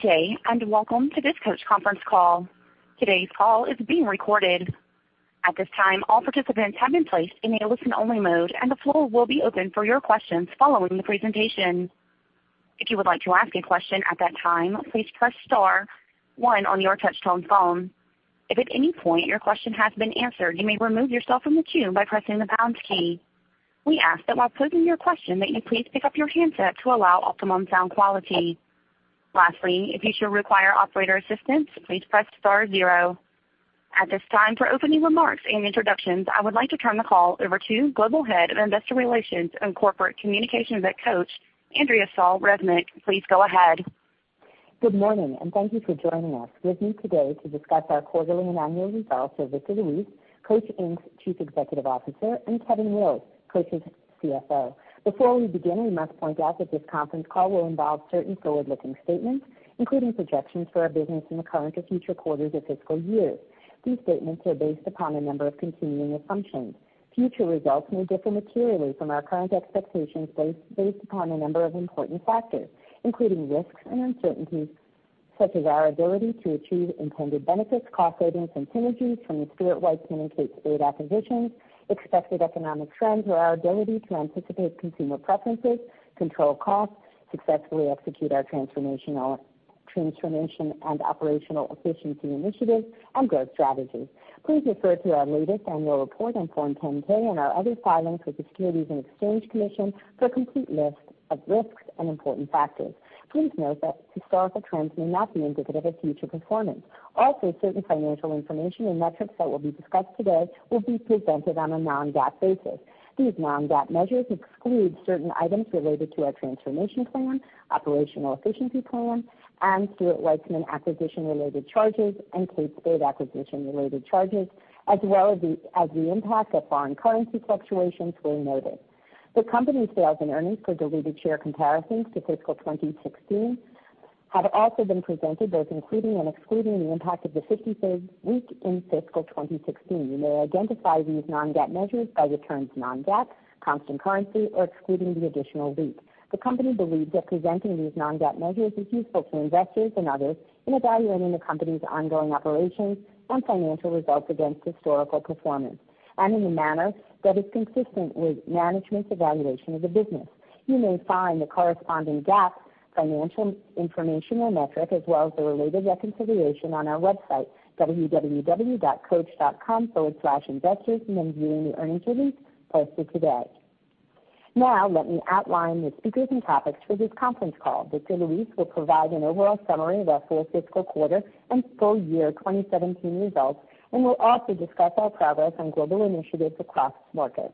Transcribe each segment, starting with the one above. Good day, and welcome to this Coach conference call. Today's call is being recorded. At this time, all participants have been placed in a listen-only mode, and the floor will be open for your questions following the presentation. If you would like to ask a question at that time, please press star one on your touch-tone phone. If at any point your question has been answered, you may remove yourself from the queue by pressing the pounds key. We ask that while posing your question that you please pick up your handset to allow optimum sound quality. Lastly, if you should require operator assistance, please press star zero. At this time, for opening remarks and introductions, I would like to turn the call over to Global Head of Investor Relations and Corporate Communications at Coach, Andrea Shaw Resnick. Please go ahead. Good morning, and thank you for joining us. With me today to discuss our quarterly and annual results are Victor Luis, Coach, Inc.'s Chief Executive Officer, and Kevin Wills, Coach's CFO. Before we begin, we must point out that this conference call will involve certain forward-looking statements, including projections for our business in the current or future quarters or fiscal years. These statements are based upon a number of continuing assumptions. Future results may differ materially from our current expectations based upon a number of important factors, including risks and uncertainties such as our ability to achieve intended benefits, cost savings, and synergies from the Stuart Weitzman and Kate Spade acquisitions, expected economic trends, or our ability to anticipate consumer preferences, control costs, successfully execute our transformation and operational efficiency initiatives and growth strategies. Please refer to our latest annual report on Form 10-K and our other filings with the Securities and Exchange Commission for a complete list of risks and important factors. Please note that historical trends may not be indicative of future performance. Also, certain financial information and metrics that will be discussed today will be presented on a non-GAAP basis. These non-GAAP measures exclude certain items related to our transformation plan, operational efficiency plan, and Stuart Weitzman acquisition-related charges and Kate Spade acquisition-related charges, as well as the impact of foreign currency fluctuations where noted. The company's sales and earnings for diluted share comparisons to fiscal 2016 have also been presented, both including and excluding the impact of the 53rd week in fiscal 2016. You may identify these non-GAAP measures by the terms non-GAAP, constant currency, or excluding the additional week. The company believes that presenting these non-GAAP measures is useful to investors and others in evaluating the company's ongoing operations and financial results against historical performance and in a manner that is consistent with management's evaluation of the business. You may find the corresponding GAAP financial information or metric, as well as the related reconciliation on our website, www.coach.com/investors when viewing the earnings release posted today. Now, let me outline the speakers and topics for this conference call. Victor Luis will provide an overall summary of our full fiscal quarter and full year 2017 results and will also discuss our progress on global initiatives across markets.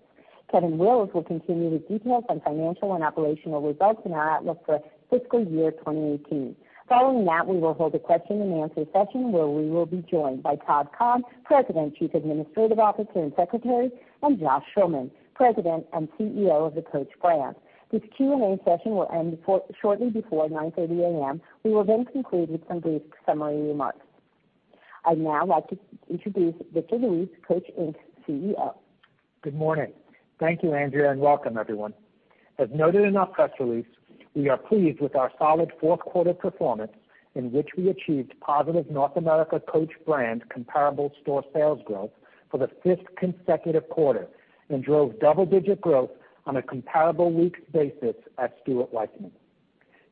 Kevin Wills will continue with details on financial and operational results and our outlook for fiscal year 2018. Following that, we will hold a question-and-answer session where we will be joined by Todd Kahn, President, Chief Administrative Officer, and Secretary, and Joshua Schulman, President and CEO of the Coach Brand. This Q&A session will end shortly before 9:30 A.M. We will conclude with some brief summary remarks. I'd now like to introduce Victor Luis, Coach Inc.'s CEO. Good morning. Thank you, Andrea, welcome everyone. As noted in our press release, we are pleased with our solid fourth-quarter performance in which we achieved positive North America Coach brand comparable store sales growth for the fifth consecutive quarter and drove double-digit growth on a comparable week basis at Stuart Weitzman.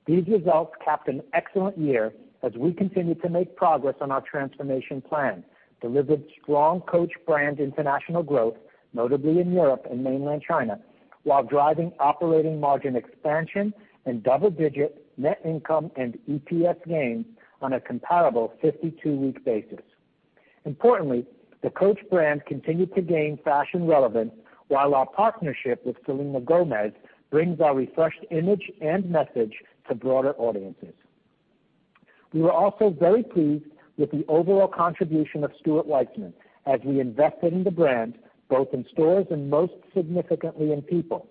These results capped an excellent year as we continued to make progress on our transformation plan, delivered strong Coach brand international growth, notably in Europe and Mainland China, while driving operating margin expansion and double-digit net income and EPS gains on a comparable 52-week basis. Importantly, the Coach brand continued to gain fashion relevance while our partnership with Selena Gomez brings our refreshed image and message to broader audiences. We were also very pleased with the overall contribution of Stuart Weitzman as we invested in the brand both in stores and most significantly in people.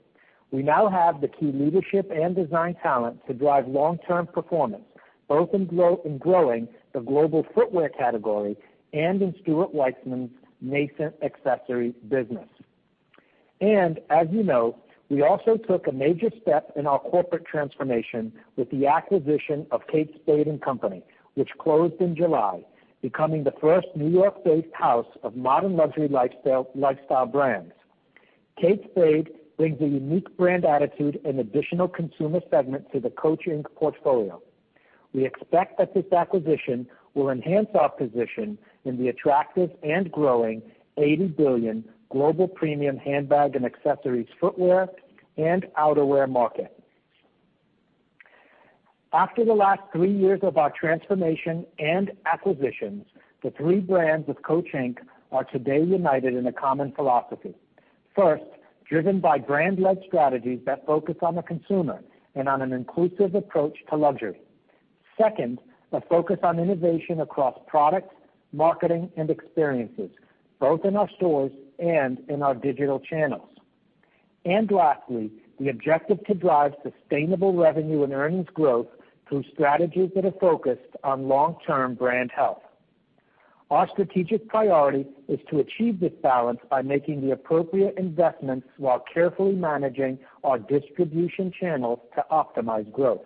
We now have the key leadership and design talent to drive long-term performance both in growing the global footwear category and in Stuart Weitzman's nascent accessories business. As you know, we also took a major step in our corporate transformation with the acquisition of Kate Spade & Company, which closed in July, becoming the first New York-based house of modern luxury lifestyle brands. Kate Spade brings a unique brand attitude and additional consumer segment to the Coach Inc. portfolio. We expect that this acquisition will enhance our position in the attractive and growing $80 billion global premium handbag and accessories, footwear, and outerwear market. After the last three years of our transformation and acquisitions, the three brands of Coach Inc. are today united in a common philosophy. First, driven by brand-led strategies that focus on the consumer and on an inclusive approach to luxury. Second, a focus on innovation across products, marketing, and experiences, both in our stores and in our digital channels. Lastly, the objective to drive sustainable revenue and earnings growth through strategies that are focused on long-term brand health. Our strategic priority is to achieve this balance by making the appropriate investments while carefully managing our distribution channels to optimize growth.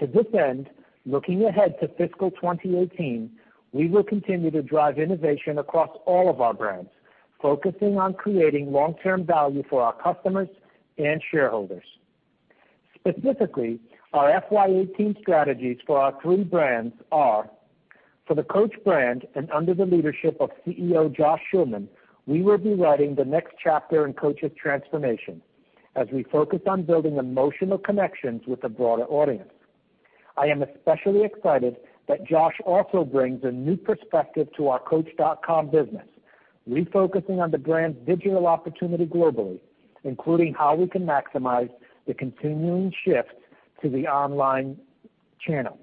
To this end, looking ahead to fiscal 2018, we will continue to drive innovation across all of our brands, focusing on creating long-term value for our customers and shareholders. Specifically, our FY 2018 strategies for our three brands are, for the Coach brand and under the leadership of CEO Josh Schulman, we will be writing the next chapter in Coach's transformation as we focus on building emotional connections with a broader audience. I am especially excited that Josh also brings a new perspective to our coach.com business, refocusing on the brand's digital opportunity globally, including how we can maximize the continuing shift to the online channel.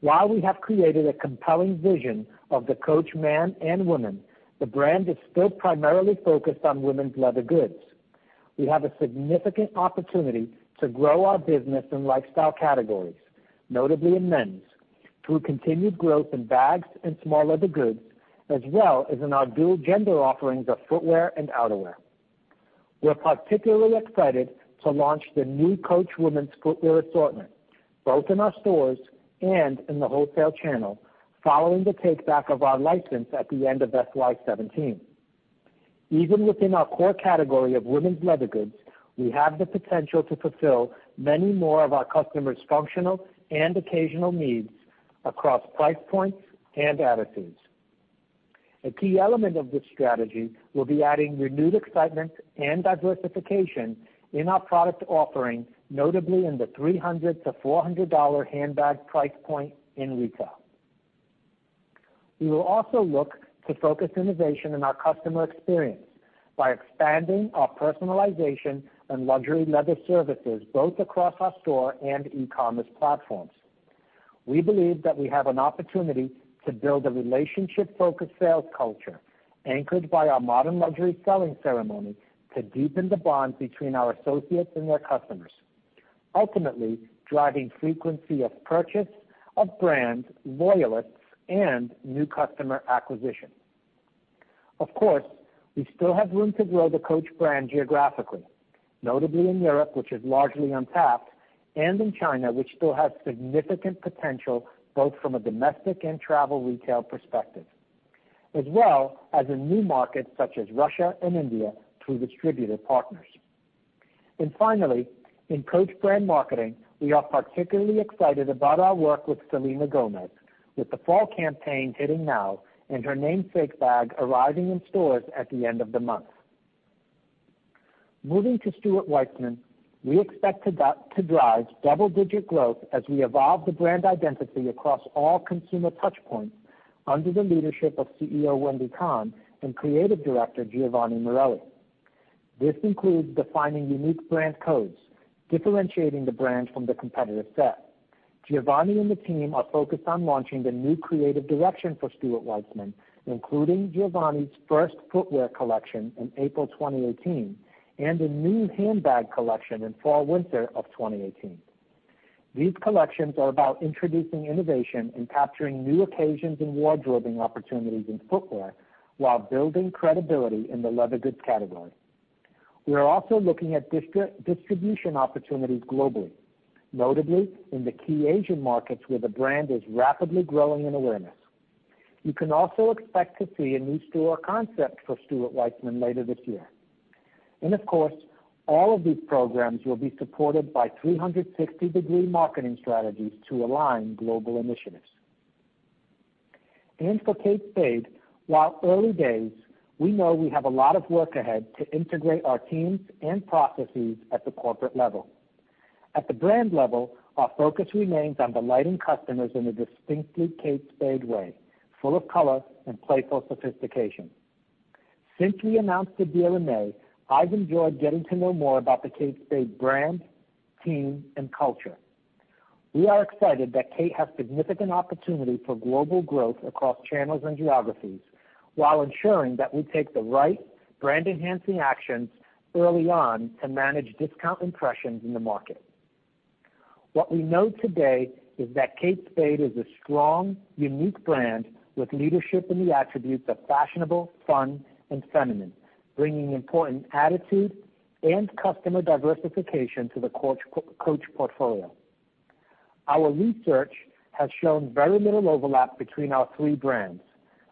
While we have created a compelling vision of the Coach man and woman, the brand is still primarily focused on women's leather goods. We have a significant opportunity to grow our business in lifestyle categories, notably in men's, through continued growth in bags and small leather goods, as well as in our dual-gender offerings of footwear and outerwear. We're particularly excited to launch the new Coach women's footwear assortment, both in our stores and in the wholesale channel, following the take-back of our license at the end of FY 2017. Even within our core category of women's leather goods, we have the potential to fulfill many more of our customers' functional and occasional needs across price points and attitudes. A key element of this strategy will be adding renewed excitement and diversification in our product offering, notably in the $300-$400 handbag price point in retail. We will also look to focus innovation in our customer experience by expanding our personalization and luxury leather services, both across our store and e-commerce platforms. We believe that we have an opportunity to build a relationship-focused sales culture anchored by our modern luxury selling ceremony to deepen the bond between our associates and their customers, ultimately driving frequency of purchase, of brand loyalists, and new customer acquisition. Of course, we still have room to grow the Coach brand geographically, notably in Europe, which is largely untapped, and in China, which still has significant potential both from a domestic and travel retail perspective, as well as in new markets such as Russia and India through distributor partners. Finally, in Coach brand marketing, we are particularly excited about our work with Selena Gomez, with the fall campaign hitting now and her namesake bag arriving in stores at the end of the month. Moving to Stuart Weitzman, we expect to drive double-digit growth as we evolve the brand identity across all consumer touch points under the leadership of CEO Wendy Kahn and creative director Giovanni Morelli. This includes defining unique brand codes, differentiating the brand from the competitive set. Giovanni and the team are focused on launching the new creative direction for Stuart Weitzman, including Giovanni's first footwear collection in April 2018 and a new handbag collection in fall/winter of 2018. These collections are about introducing innovation and capturing new occasions and wardrobing opportunities in footwear while building credibility in the leather goods category. We are also looking at distribution opportunities globally, notably in the key Asian markets where the brand is rapidly growing in awareness. You can also expect to see a new store concept for Stuart Weitzman later this year. Of course, all of these programs will be supported by 360-degree marketing strategies to align global initiatives. For Kate Spade, while early days, we know we have a lot of work ahead to integrate our teams and processes at the corporate level. At the brand level, our focus remains on delighting customers in a distinctly Kate Spade way, full of color and playful sophistication. Since we announced the deal in May, I've enjoyed getting to know more about the Kate Spade brand, team, and culture. We are excited that Kate has significant opportunity for global growth across channels and geographies while ensuring that we take the right brand-enhancing actions early on to manage discount impressions in the market. What we know today is that Kate Spade is a strong, unique brand with leadership in the attributes of fashionable, fun, and feminine, bringing important attitude and customer diversification to the Coach portfolio. Our research has shown very little overlap between our three brands,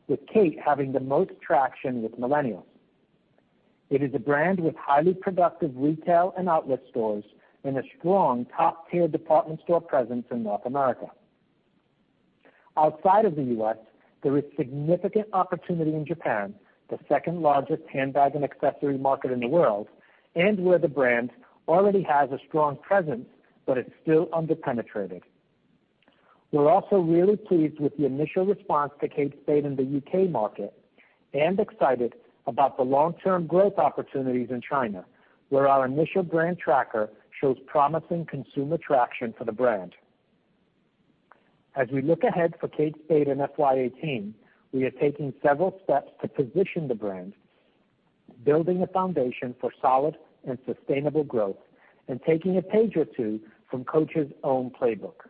with Kate having the most traction with millennials. It is a brand with highly productive retail and outlet stores and a strong top-tier department store presence in North America. Outside of the U.S., there is significant opportunity in Japan, the second-largest handbag and accessory market in the world, and where the brand already has a strong presence but is still under-penetrated. We're also really pleased with the initial response to Kate Spade in the U.K. market and excited about the long-term growth opportunities in China, where our initial brand tracker shows promising consumer traction for the brand. As we look ahead for Kate Spade in FY 2018, we are taking several steps to position the brand. Building a foundation for solid and sustainable growth and taking a page or two from Coach's own playbook.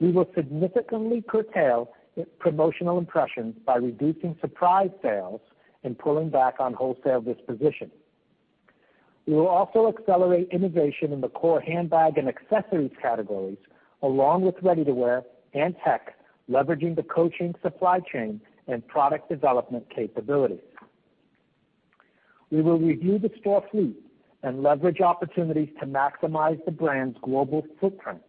We will significantly curtail promotional impressions by reducing surprise sales and pulling back on wholesale disposition. We will also accelerate innovation in the core handbag and accessories categories, along with ready-to-wear and tech, leveraging the Coach supply chain and product development capabilities. We will review the store fleet and leverage opportunities to maximize the brand's global footprint,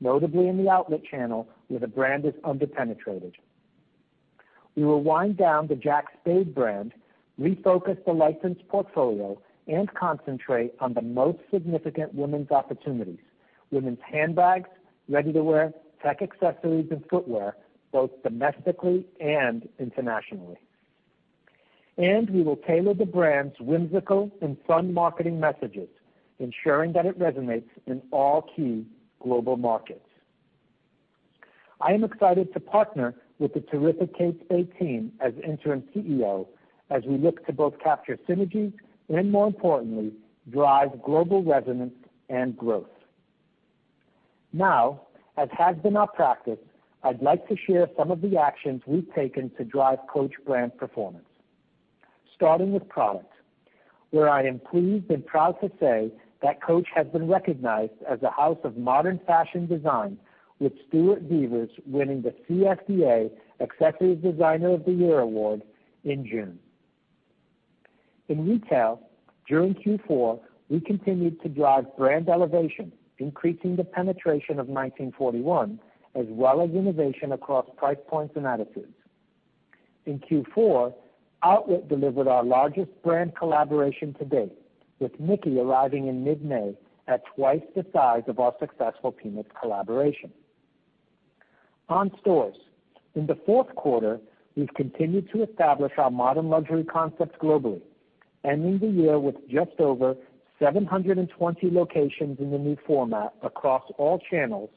notably in the outlet channel, where the brand is under-penetrated. We will wind down the Jack Spade brand, refocus the license portfolio, and concentrate on the most significant women's opportunities, women's handbags, ready-to-wear, tech accessories, and footwear, both domestically and internationally. We will tailor the brand's whimsical and fun marketing messages, ensuring that it resonates in all key global markets. I am excited to partner with the terrific Kate Spade team as interim CEO as we look to both capture synergy and, more importantly, drive global resonance and growth. As has been our practice, I'd like to share some of the actions we've taken to drive Coach brand performance. Starting with product, where I am pleased and proud to say that Coach has been recognized as a house of modern fashion design with Stuart Vevers winning the CFDA Accessory Designer of the Year Award in June. In retail, during Q4, we continued to drive brand elevation, increasing the penetration of 1941, as well as innovation across price points and attitudes. In Q4, outlet delivered our largest brand collaboration to date, with Mickey arriving in mid-May at twice the size of our successful Peanuts collaboration. On stores, in the fourth quarter, we've continued to establish our modern luxury concepts globally, ending the year with just over 720 locations in the new format across all channels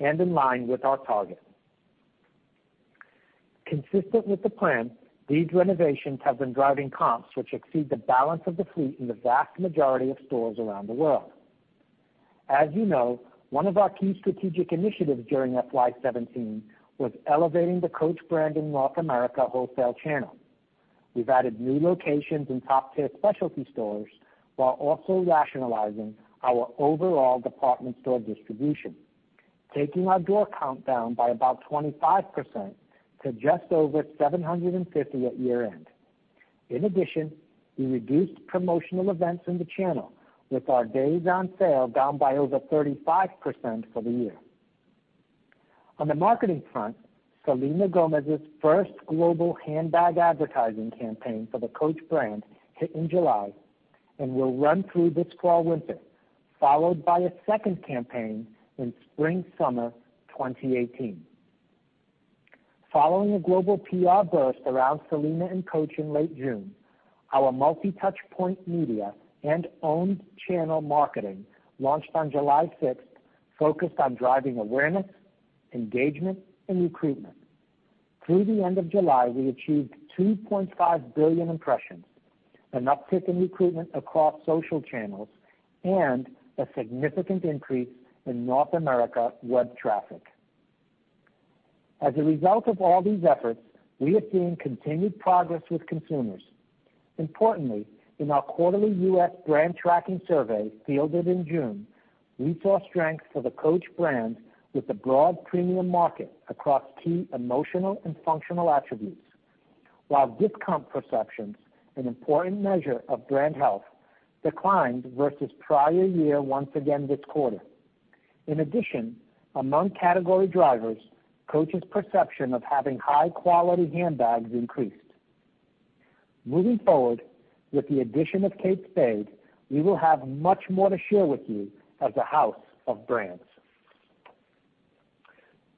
and in line with our target. Consistent with the plan, these renovations have been driving comps which exceed the balance of the fleet in the vast majority of stores around the world. As you know, one of our key strategic initiatives during FY 2017 was elevating the Coach brand in North America wholesale channel. We've added new locations in top-tier specialty stores while also rationalizing our overall department store distribution, taking our door count down by about 25% to just over 750 at year-end. In addition, we reduced promotional events in the channel, with our days on sale down by over 35% for the year. On the marketing front, Selena Gomez's first global handbag advertising campaign for the Coach brand hit in July and will run through this fall/winter, followed by a second campaign in spring/summer 2018. Following a global PR burst around Selena and Coach in late June, our multi-touchpoint media and owned channel marketing, launched on July 6th, focused on driving awareness, engagement, and recruitment. Through the end of July, we achieved 2.5 billion impressions, an uptick in recruitment across social channels, and a significant increase in North America web traffic. As a result of all these efforts, we have seen continued progress with consumers. Importantly, in our quarterly U.S. brand tracking survey fielded in June, we saw strength for the Coach brand with the broad premium market across key emotional and functional attributes. While discount perceptions, an important measure of brand health, declined versus prior year once again this quarter. In addition, among category drivers, Coach's perception of having high-quality handbags increased. Moving forward, with the addition of Kate Spade, we will have much more to share with you as a house of brands.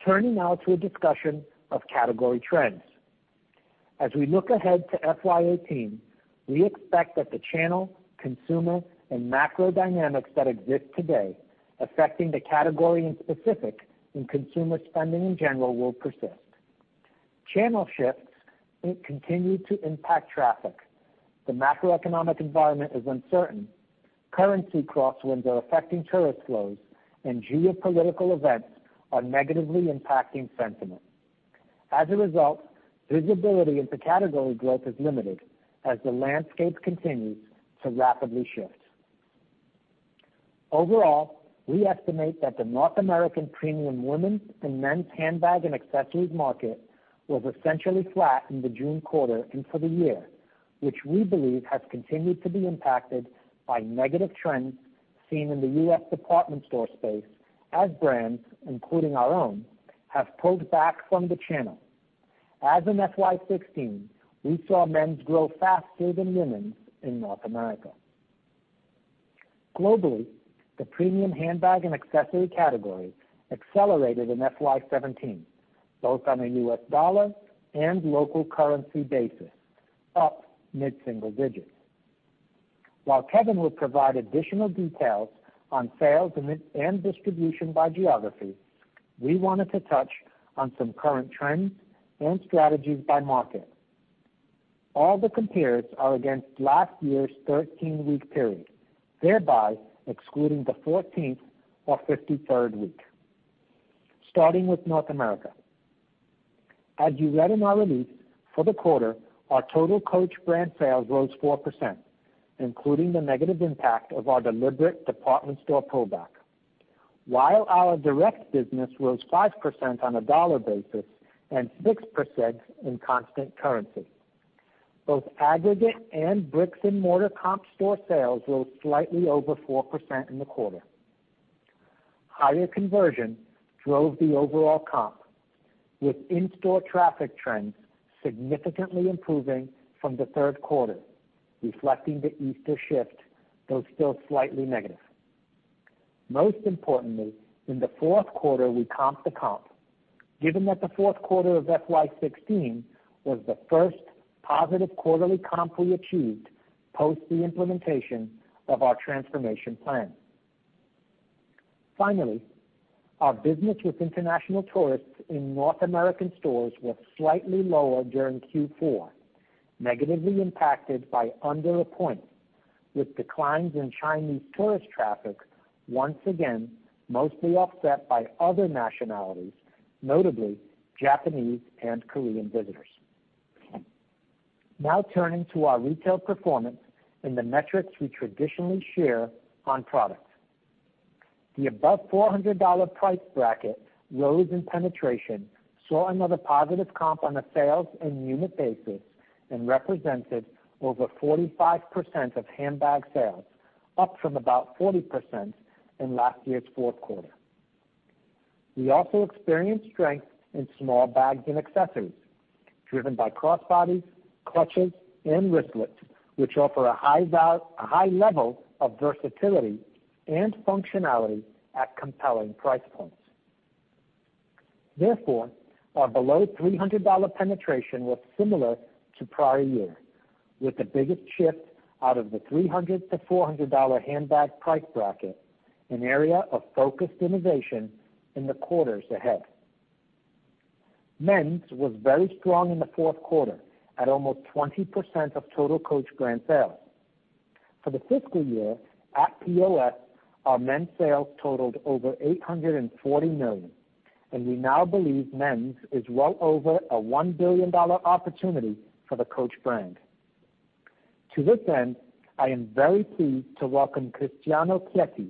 Turning now to a discussion of category trends. As we look ahead to FY 2018, we expect that the channel, consumer, and macro dynamics that exist today affecting the category in specific and consumer spending in general will persist. Channel shifts continue to impact traffic. The macroeconomic environment is uncertain. Currency crosswinds are affecting tourist flows, and geopolitical events are negatively impacting sentiment. As a result, visibility into category growth is limited as the landscape continues to rapidly shift. Overall, we estimate that the North American premium women's and men's handbag and accessories market was essentially flat in the June quarter and for the year, which we believe has continued to be impacted by negative trends seen in the U.S. department store space as brands, including our own, have pulled back from the channel. As in FY 2016, we saw men's grow faster than women's in North America. Globally, the premium handbag and accessory category accelerated in FY 2017, both on a U.S. dollar and local currency basis, up mid-single digits. While Kevin will provide additional details on sales and distribution by geography, we wanted to touch on some current trends and strategies by market. All the compares are against last year's 13-week period, thereby excluding the 14th or 53rd week. Starting with North America. As you read in our release for the quarter, our total Coach brand sales rose 4%, including the negative impact of our deliberate department store pullback. While our direct business rose 5% on a dollar basis and 6% in constant currency. Both aggregate and bricks-and-mortar comp store sales rose slightly over 4% in the quarter. Higher conversion drove the overall comp, with in-store traffic trends significantly improving from the third quarter, reflecting the Easter shift, though still slightly negative. Most importantly, in the fourth quarter, we comped the comp, given that the fourth quarter of FY 2016 was the first positive quarterly comp we achieved post the implementation of our transformation plan. Finally, our business with international tourists in North American stores was slightly lower during Q4, negatively impacted by [under appointments] with declines in Chinese tourist traffic, once again mostly offset by other nationalities, notably Japanese and Korean visitors. Turning to our retail performance and the metrics we traditionally share on products. The above $400 price bracket rose in penetration, saw another positive comp on a sales and unit basis, and represented over 45% of handbag sales, up from about 40% in last year's fourth quarter. We also experienced strength in small bags and accessories, driven by crossbodies, clutches, and wristlets, which offer a high level of versatility and functionality at compelling price points. Our below $300 penetration was similar to prior year, with the biggest shift out of the $300-$400 handbag price bracket, an area of focused innovation in the quarters ahead. Men's was very strong in the fourth quarter at almost 20% of total Coach brand sales. For the fiscal year, at POS, our men's sales totaled over $840 million, and we now believe men's is well over a $1 billion opportunity for the Coach brand. To this end, I am very pleased to welcome Cristiano Cletti,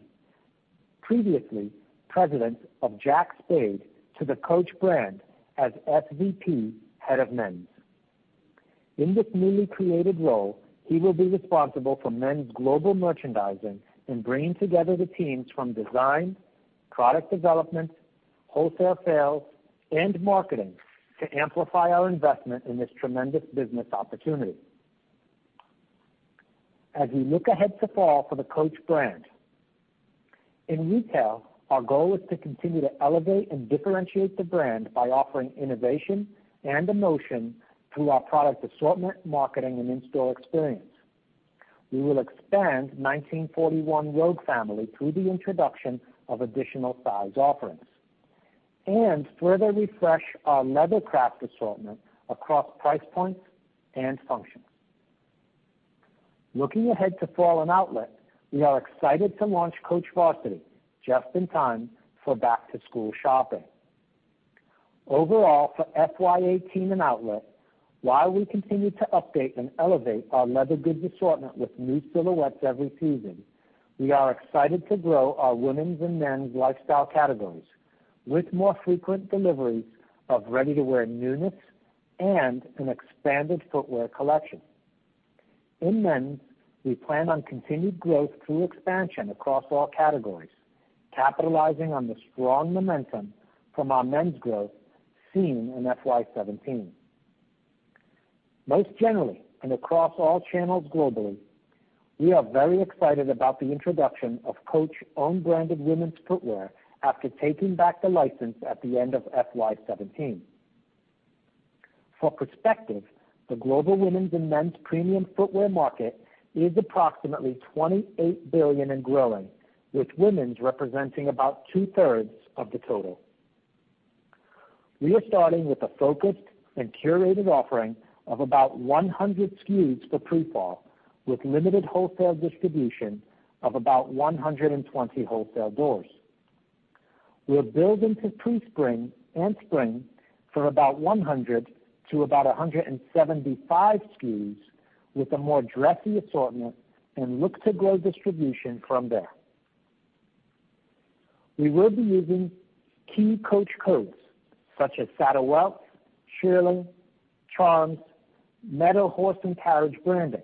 previously president of Jack Spade, to the Coach brand as SVP, Head of Men's. In this newly created role, he will be responsible for men's global merchandising and bringing together the teams from design, product development, wholesale sales, and marketing to amplify our investment in this tremendous business opportunity. As we look ahead to fall for the Coach brand, in retail, our goal is to continue to elevate and differentiate the brand by offering innovation and emotion through our product assortment, marketing, and in-store experience. We will expand 1941 Rogue family through the introduction of additional size offerings and further refresh our leather craft assortment across price points and function. Looking ahead to fall and outlet, we are excited to launch Coach Varsity just in time for back-to-school shopping. Overall, for FY 2018 in outlet, while we continue to update and elevate our leather goods assortment with new silhouettes every season, we are excited to grow our women's and men's lifestyle categories with more frequent deliveries of ready-to-wear newness and an expanded footwear collection. In men's, we plan on continued growth through expansion across all categories, capitalizing on the strong momentum from our men's growth seen in FY 2017. Across all channels globally, we are very excited about the introduction of Coach own brand of women's footwear after taking back the license at the end of FY 2017. For perspective, the global women's and men's premium footwear market is approximately $28 billion and growing, with women's representing about two-thirds of the total. We are starting with a focused and curated offering of about 100 SKUs for pre-fall, with limited wholesale distribution of about 120 wholesale doors. We're building to pre-spring and spring for about 100-175 SKUs with a more dressy assortment and look-to-grow distribution from there. We will be using key Coach codes, such as saddle welt, shearling, charms, meadow horse and carriage branding.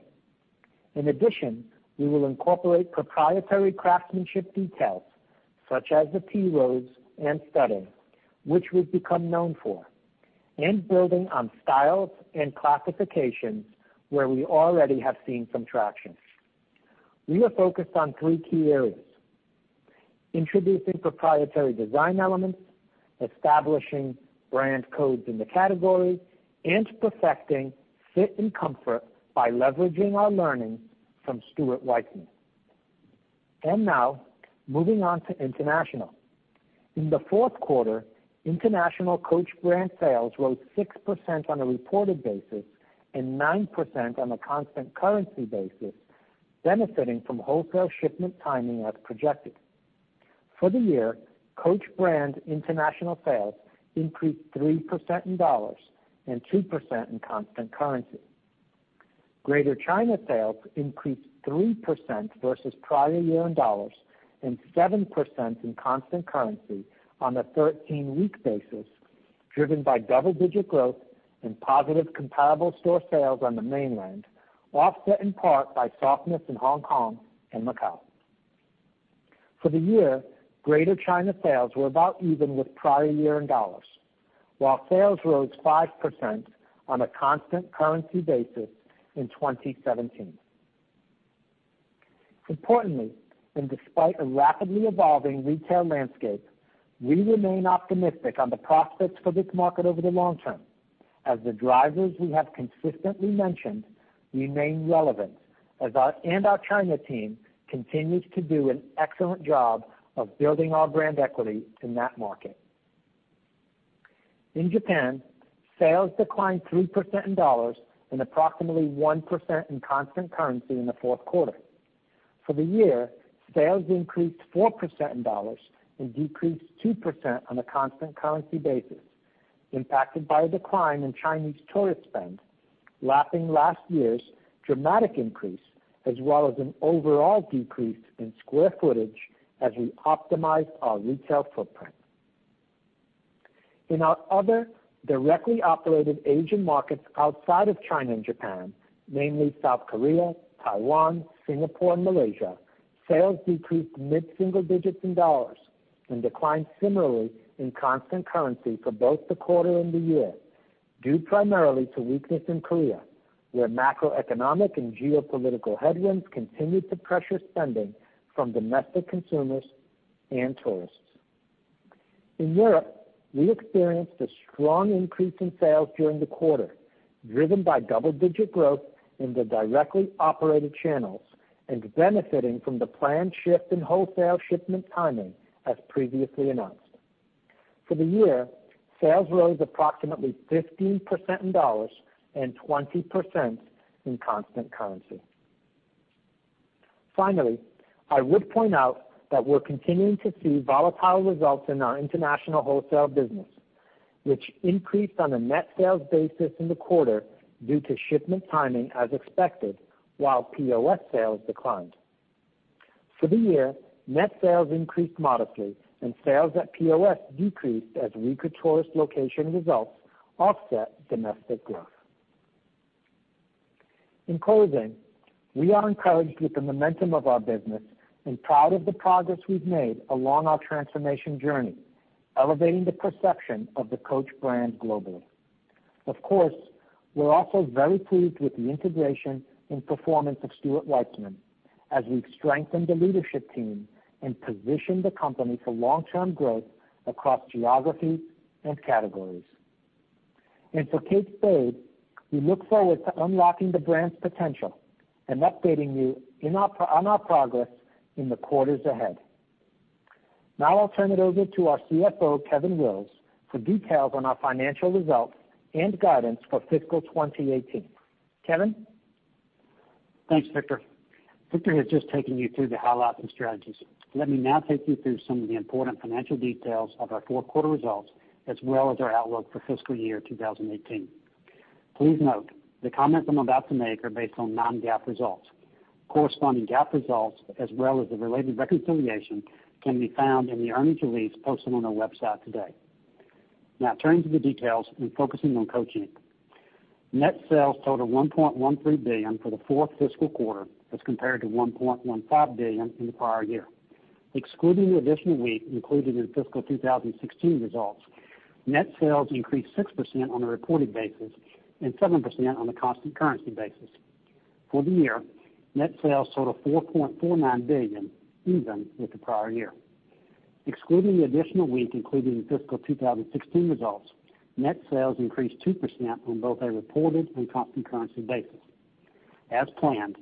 In addition, we will incorporate proprietary craftsmanship details such as the Tea Rose and studding, which we've become known for, and building on styles and classifications where we already have seen some traction. We are focused on 3 key areas. Introducing proprietary design elements, establishing brand codes in the category, and perfecting fit and comfort by leveraging our learning from Stuart Weitzman. Now moving on to international. In the fourth quarter, international Coach brand sales rose 6% on a reported basis and 9% on a constant currency basis, benefiting from wholesale shipment timing as projected. For the year, Coach brand international sales increased 3% in $ and 2% in constant currency. Greater China sales increased 3% versus prior year in $ and 7% in constant currency on a 13-week basis, driven by double-digit growth in positive comparable store sales on the mainland, offset in part by softness in Hong Kong and Macau. For the year, Greater China sales were about even with prior year in $, while sales rose 5% on a constant currency basis in 2017. Importantly, despite a rapidly evolving retail landscape, we remain optimistic on the prospects for this market over the long term, as the drivers we have consistently mentioned remain relevant, and our China team continues to do an excellent job of building our brand equity in that market. In Japan, sales declined 3% in $ and approximately 1% in constant currency in the fourth quarter. For the year, sales increased 4% in $ and decreased 2% on a constant currency basis, impacted by a decline in Chinese tourist spend, lapping last year's dramatic increase as well as an overall decrease in square footage as we optimized our retail footprint. In our other directly operated Asian markets outside of China and Japan, namely South Korea, Taiwan, Singapore, and Malaysia, sales decreased mid-single digits in $ and declined similarly in constant currency for both the quarter and the year, due primarily to weakness in Korea, where macroeconomic and geopolitical headwinds continued to pressure spending from domestic consumers and tourists. In Europe, we experienced a strong increase in sales during the quarter, driven by double-digit growth in the directly operated channels and benefiting from the planned shift in wholesale shipment timing, as previously announced. For the year, sales rose approximately 15% in $ and 20% in constant currency. Finally, I would point out that we're continuing to see volatile results in our international wholesale business, which increased on a net sales basis in the quarter due to shipment timing as expected, while POS sales declined. For the year, net sales increased modestly and sales at POS decreased as weaker tourist location results offset domestic growth. In closing, we are encouraged with the momentum of our business and proud of the progress we've made along our transformation journey, elevating the perception of the Coach brand globally. Of course, we're also very pleased with the integration and performance of Stuart Weitzman as we've strengthened the leadership team and positioned the company for long-term growth across geographies and categories. For Kate Spade, we look forward to unlocking the brand's potential and updating you on our progress in the quarters ahead. I'll turn it over to our CFO, Kevin Wills, for details on our financial results and guidance for fiscal 2018. Kevin. Thanks, Victor. Victor has just taken you through the highlights and strategies. Let me now take you through some of the important financial details of our fourth quarter results, as well as our outlook for fiscal year 2018. Please note the comments I'm about to make are based on non-GAAP results. Corresponding GAAP results, as well as the related reconciliation, can be found in the earnings release posted on our website today. Turning to the details and focusing on Coach, Inc. Net sales totaled $1.13 billion for the fourth fiscal quarter as compared to $1.15 billion in the prior year. Excluding the additional week included in fiscal 2016 results, net sales increased 6% on a reported basis and 7% on a constant currency basis. For the year, net sales totaled $4.49 billion, even with the prior year. Excluding the additional week included in fiscal 2016 results, net sales increased 2% on both a reported and constant currency basis. As planned,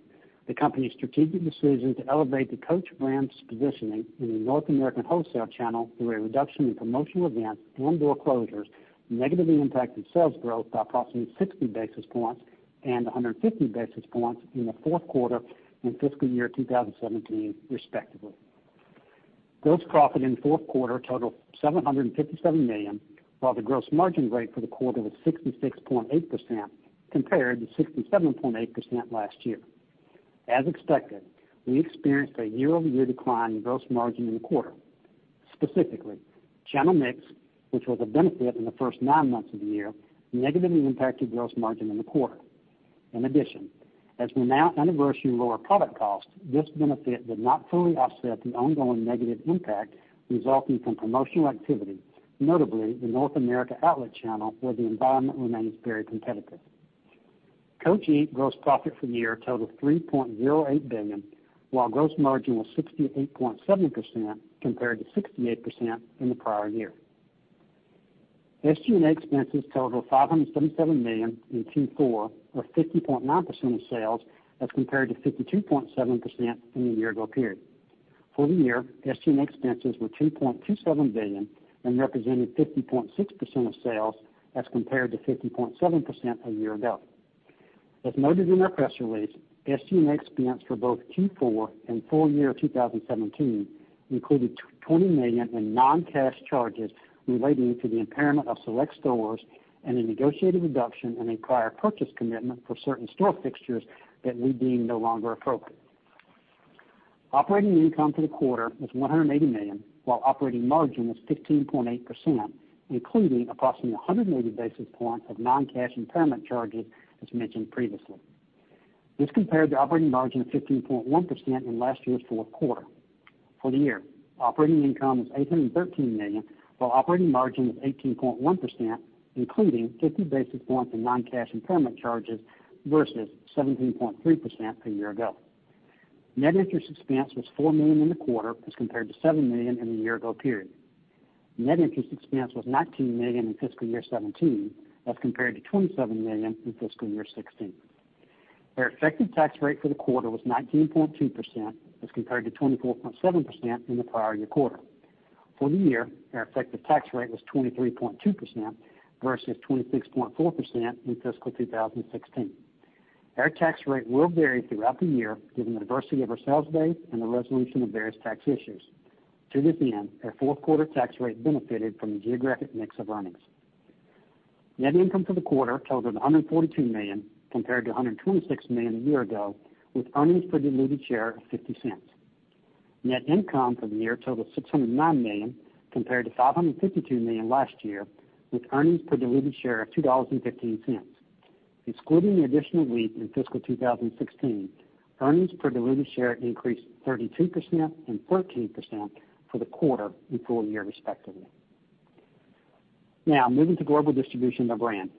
the company's strategic decision to elevate the Coach brand's positioning in the North American wholesale channel through a reduction in promotional events and door closures negatively impacted sales growth by approximately 60 basis points and 150 basis points in the fourth quarter and fiscal year 2017, respectively. Gross profit in the fourth quarter totaled $757 million, while the gross margin rate for the quarter was 66.8% compared to 67.8% last year. As expected, we experienced a year-over-year decline in gross margin in the quarter. Specifically, channel mix, which was a benefit in the first nine months of the year, negatively impacted gross margin in the quarter. In addition, as we now anniversary lower product costs, this benefit did not fully offset the ongoing negative impact resulting from promotional activity, notably the North America outlet channel, where the environment remains very competitive. Coach, Inc. gross profit for the year totaled $3.08 billion, while gross margin was 68.7% compared to 68% in the prior year. SG&A expenses totaled $577 million in Q4, or 50.9% of sales, as compared to 52.7% in the year-ago period. For the year, SG&A expenses were $2.27 billion and represented 50.6% of sales as compared to 50.7% a year ago. As noted in our press release, SG&A expense for both Q4 and full year 2017 included $20 million in non-cash charges relating to the impairment of select stores and a negotiated reduction in a prior purchase commitment for certain store fixtures that were being no longer appropriate. Operating income for the quarter was $180 million, while operating margin was 15.8%, including approximately 180 basis points of non-cash impairment charges, as mentioned previously. This compared to operating margin of 15.1% in last year's fourth quarter. For the year, operating income was $813 million, while operating margin was 18.1%, including 50 basis points in non-cash impairment charges versus 17.3% a year ago. Net interest expense was $4 million in the quarter as compared to $7 million in the year-ago period. Net interest expense was $19 million in fiscal year 2017 as compared to $27 million in fiscal year 2016. Our effective tax rate for the quarter was 19.2% as compared to 24.7% in the prior-year quarter. For the year, our effective tax rate was 23.2% versus 26.4% in fiscal 2016. Our tax rate will vary throughout the year given the diversity of our sales base and the resolution of various tax issues. To this end, our fourth quarter tax rate benefited from the geographic mix of earnings. Net income for the quarter totaled $142 million compared to $126 million a year ago, with earnings per diluted share of $0.50. Net income for the year totaled $609 million compared to $552 million last year, with earnings per diluted share of $2.15. Excluding the additional week in fiscal 2016, earnings per diluted share increased 32% and 14% for the quarter and full year respectively. Now, moving to global distribution by brand.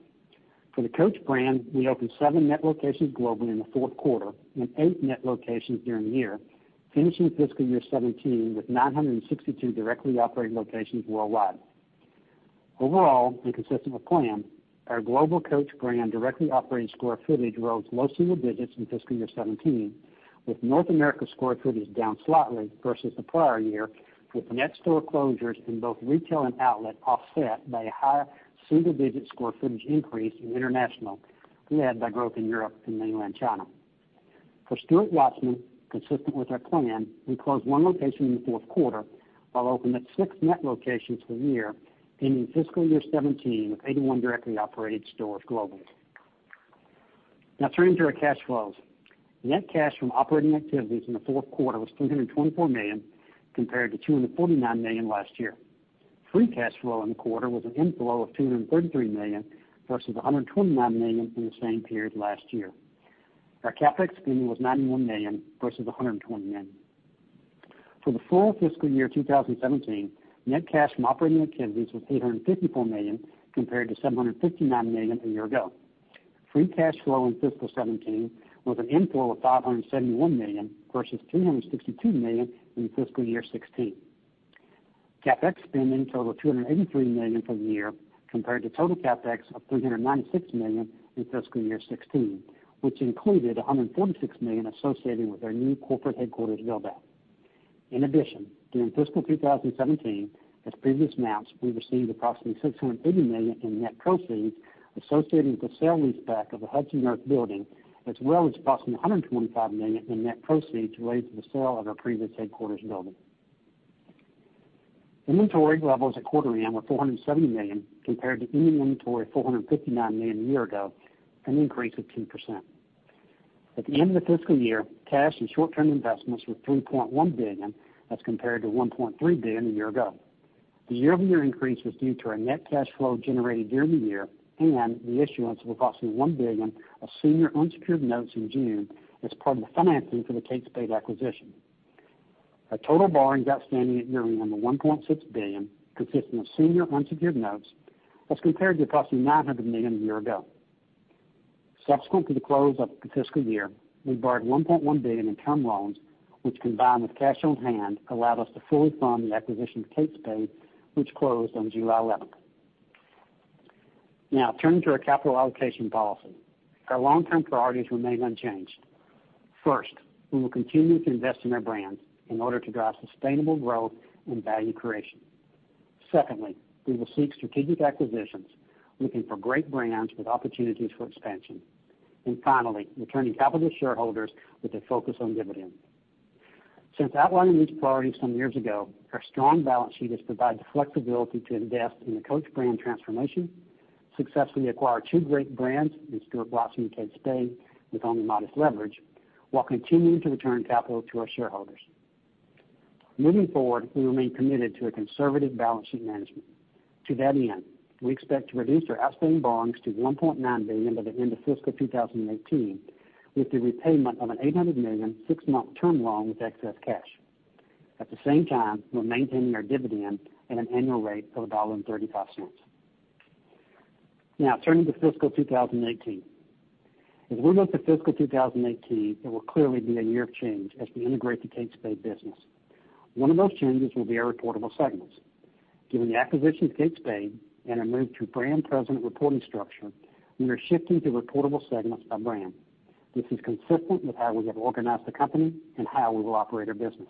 For the Coach brand, we opened seven net locations globally in the fourth quarter and eight net locations during the year, finishing fiscal year 2017 with 962 directly operated locations worldwide. Overall, consistent with plan, our global Coach brand directly operated square footage rose low single digits in fiscal year 2017, with North America square footage down slightly versus the prior year, with net store closures in both retail and outlet offset by a higher single-digit square footage increase in international, led by growth in Europe and mainland China. For Stuart Weitzman, consistent with our plan, we closed one location in the fourth quarter while opening six net locations for the year, ending fiscal year 2017 with 81 directly operated stores globally. Now turning to our cash flows. Net cash from operating activities in the fourth quarter was $324 million compared to $249 million last year. Free cash flow in the quarter was an inflow of $233 million versus $129 million in the same period last year. Our CapEx spending was $91 million versus $120 million. For the full fiscal year 2017, net cash from operating activities was $854 million compared to $759 million a year ago. Free cash flow in fiscal 2017 was an inflow of $571 million versus $362 million in fiscal year 2016. CapEx spending totaled $283 million for the year compared to total CapEx of $396 million in fiscal year 2016, which included $146 million associated with our new corporate headquarters build-out. In addition, during fiscal 2017, as previously announced, we received approximately $680 million in net proceeds associated with the sale leaseback of the Hudson Yards building, as well as approximately $125 million in net proceeds related to the sale of our previous headquarters building. Inventory levels at quarter-end were $470 million compared to ending inventory of $459 million a year ago, an increase of 2%. At the end of the fiscal year, cash and short-term investments were $3.1 billion as compared to $1.3 billion a year ago. The year-over-year increase was due to our net cash flow generated during the year and the issuance of approximately $1 billion of senior unsecured notes in June as part of the financing for the Kate Spade acquisition. Our total borrowings outstanding at year-end were $1.6 billion, consisting of senior unsecured notes as compared to approximately $900 million a year ago. Subsequent to the close of the fiscal year, we borrowed $1.1 billion in term loans, which combined with cash on hand, allowed us to fully fund the acquisition of Kate Spade, which closed on July 11th. Now, turning to our capital allocation policy. Our long-term priorities remain unchanged. First, we will continue to invest in our brands in order to drive sustainable growth and value creation. Secondly, we will seek strategic acquisitions, looking for great brands with opportunities for expansion. Finally, returning capital to shareholders with a focus on dividend. Since outlining these priorities some years ago, our strong balance sheet has provided the flexibility to invest in the Coach brand transformation, successfully acquire two great brands in Stuart Weitzman and Kate Spade with only modest leverage, while continuing to return capital to our shareholders. Moving forward, we remain committed to a conservative balance sheet management. To that end, we expect to reduce our outstanding borrowings to $1.9 billion by the end of fiscal 2018 with the repayment of an $800 million, six-month term loan with excess cash. At the same time, we're maintaining our dividend at an annual rate of $1.35. Now turning to fiscal 2018. As we look to fiscal 2018, it will clearly be a year of change as we integrate the Kate Spade business. One of those changes will be our reportable segments. Given the acquisition of Kate Spade and a move to brand president reporting structure, we are shifting to reportable segments by brand. This is consistent with how we have organized the company and how we will operate our business.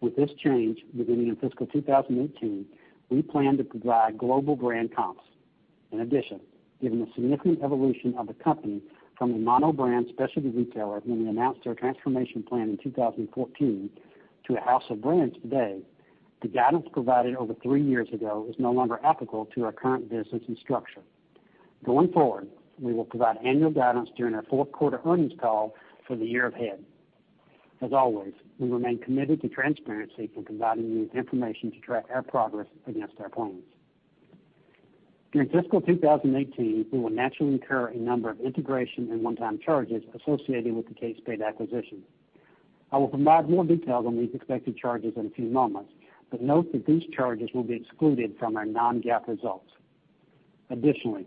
With this change beginning in fiscal 2018, we plan to provide global brand comps. In addition, given the significant evolution of the company from a mono-brand specialty retailer when we announced our transformation plan in 2014 to a house of brands today, the guidance provided over three years ago is no longer applicable to our current business and structure. Going forward, we will provide annual guidance during our fourth quarter earnings call for the year ahead. As always, we remain committed to transparency and providing you with information to track our progress against our plans. During fiscal 2018, we will naturally incur a number of integration and one-time charges associated with the Kate Spade acquisition. I will provide more details on these expected charges in a few moments, but note that these charges will be excluded from our non-GAAP results. Additionally,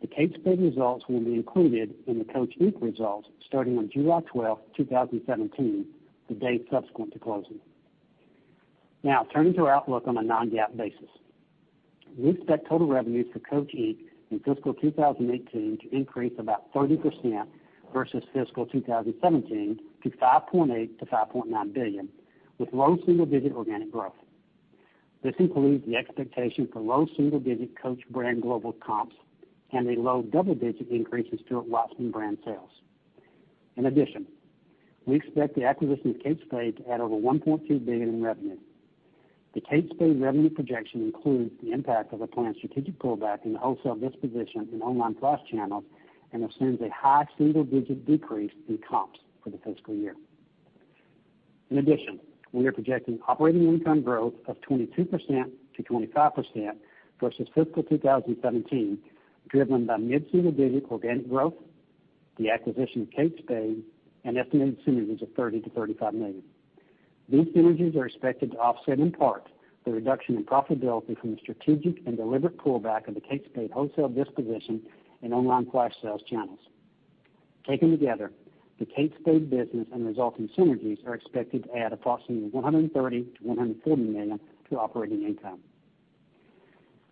the Kate Spade results will be included in the Coach, Inc. results starting on July 12, 2017, the date subsequent to closing. Now turning to our outlook on a non-GAAP basis. We expect total revenues for Coach, Inc. in fiscal 2018 to increase about 30% versus fiscal 2017 to $5.8 billion-$5.9 billion, with low single-digit organic growth. This includes the expectation for low single-digit Coach brand global comps and a low double-digit increase in Stuart Weitzman brand sales. In addition, we expect the acquisition of Kate Spade to add over $1.2 billion in revenue. The Kate Spade revenue projection includes the impact of a planned strategic pullback in the wholesale disposition and online flash channels and assumes a high single-digit decrease in comps for the fiscal year. In addition, we are projecting operating income growth of 22%-25% versus fiscal 2017, driven by mid-single digit organic growth, the acquisition of Kate Spade, and estimated synergies of $30 million-$35 million. These synergies are expected to offset in part the reduction in profitability from the strategic and deliberate pullback of the Kate Spade wholesale disposition and online flash sales channels. Taken together, the Kate Spade business and resulting synergies are expected to add approximately $130 million-$140 million to operating income.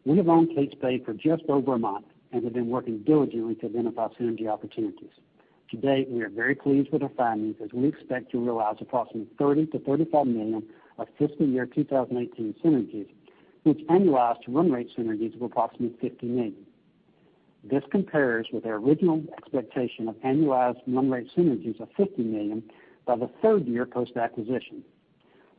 We have owned Kate Spade for just over a month and have been working diligently to identify synergy opportunities. To date, we are very pleased with our findings as we expect to realize approximately $30 million-$35 million of fiscal year 2018 synergies, which annualize to run rate synergies of approximately $50 million. This compares with our original expectation of annualized run rate synergies of $50 million by the third year post-acquisition.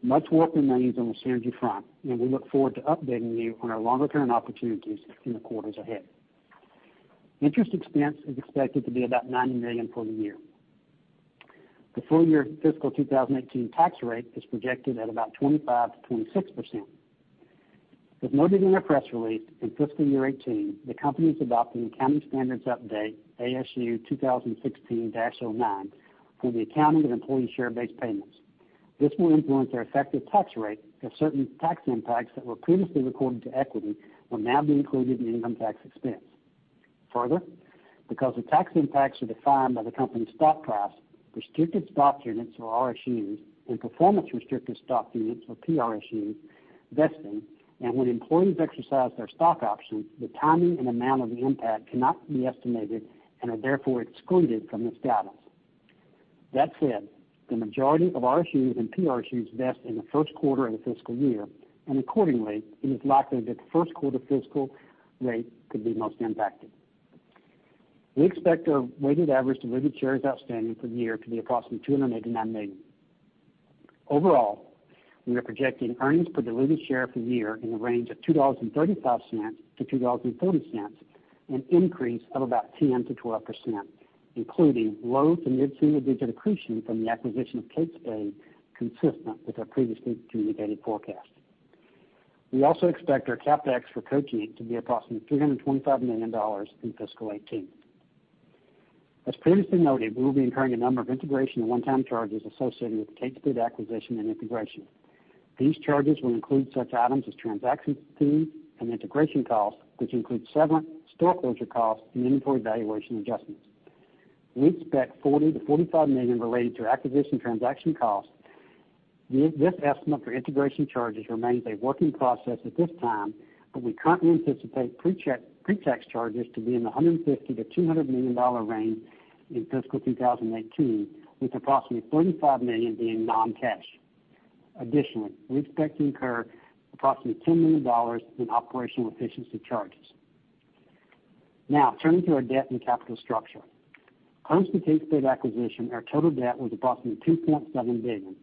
Much work remains on the synergy front, we look forward to updating you on our longer-term opportunities in the quarters ahead. Interest expense is expected to be about $90 million for the year. The full year fiscal 2018 tax rate is projected at about 25%-26%. As noted in our press release, in fiscal year 2018, the company is adopting Accounting Standards Update ASU 2016-09 for the accounting of employee share-based payments. This will influence our effective tax rate as certain tax impacts that were previously recorded to equity will now be included in income tax expense. Further, because the tax impacts are defined by the company's stock price, Restricted Stock Units or RSUs and Performance Restricted Stock Units or PRSU vesting and when employees exercise their stock options, the timing and amount of the impact cannot be estimated and are therefore excluded from this guidance. That said, the majority of RSUs and PRSU vest in the first quarter of the fiscal year, and accordingly, it is likely that the first quarter fiscal rate could be most impacted. We expect our weighted average diluted shares outstanding for the year to be approximately 289 million. Overall, we are projecting earnings per diluted share for the year in the range of $2.35-$2.40, an increase of about 10%-12%, including low to mid-single digit accretion from the acquisition of Kate Spade, consistent with our previously communicated forecast. We also expect our CapEx for Coach, Inc. to be approximately $325 million in fiscal 2018. As previously noted, we will be incurring a number of integration and one-time charges associated with the Kate Spade acquisition and integration. These charges will include such items as transaction fees and integration costs, which include severance, store closure costs, and inventory valuation adjustments. We expect $40 million-$45 million related to acquisition transaction costs. This estimate for integration charges remains a work in process at this time. We currently anticipate pre-tax charges to be in the $150 million-$200 million range in fiscal 2018, with approximately $45 million being non-cash. Additionally, we expect to incur approximately $10 million in operational efficiency charges. Turning to our debt and capital structure. Post the Kate Spade acquisition, our total debt was approximately $2.7 billion.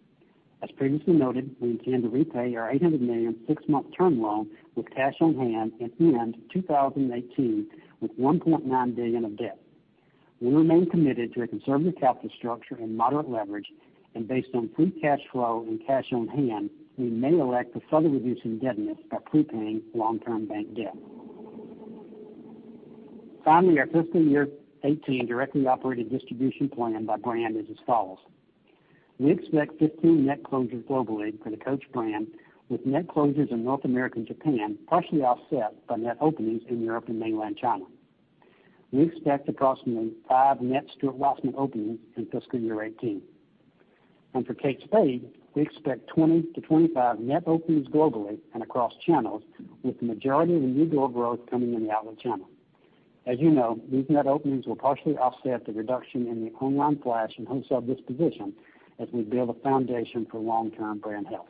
As previously noted, we intend to repay our $800 million six-month term loan with cash on hand at the end of 2018 with $1.9 billion of debt. We remain committed to a conservative capital structure and moderate leverage. Based on free cash flow and cash on hand, we may elect to further reduce indebtedness by prepaying long-term bank debt. Finally, our fiscal year 2018 directly operated distribution plan by brand is as follows. We expect 15 net closures globally for the Coach brand, with net closures in North America and Japan partially offset by net openings in Europe and Mainland China. We expect approximately five net Stuart Weitzman openings in fiscal year 2018. For Kate Spade, we expect 20-25 net openings globally and across channels, with the majority of the new door growth coming in the outlet channel. As you know, these net openings will partially offset the reduction in the online flash and wholesale disposition as we build a foundation for long-term brand health.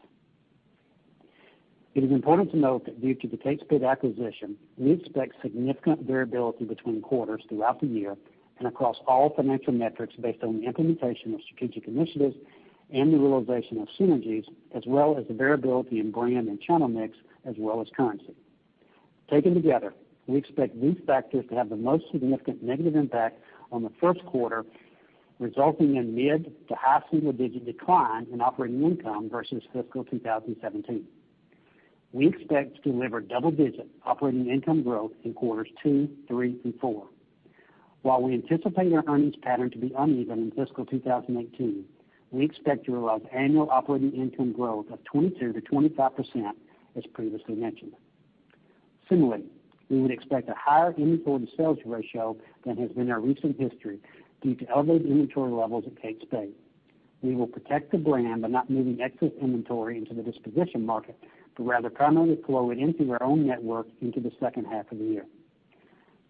It is important to note that due to the Kate Spade acquisition, we expect significant variability between quarters throughout the year and across all financial metrics based on the implementation of strategic initiatives and the realization of synergies, as well as the variability in brand and channel mix, as well as currency. Taken together, we expect these factors to have the most significant negative impact on the first quarter, resulting in mid-to-high single-digit decline in operating income versus fiscal 2017. We expect to deliver double-digit operating income growth in quarters two, three, and four. While we anticipate our earnings pattern to be uneven in fiscal 2018, we expect to realize annual operating income growth of 22%-25%, as previously mentioned. Similarly, we would expect a higher inventory to sales ratio than has been our recent history due to elevated inventory levels at Kate Spade. We will protect the brand by not moving excess inventory into the disposition market, rather primarily flow it into our own network into the second half of the year.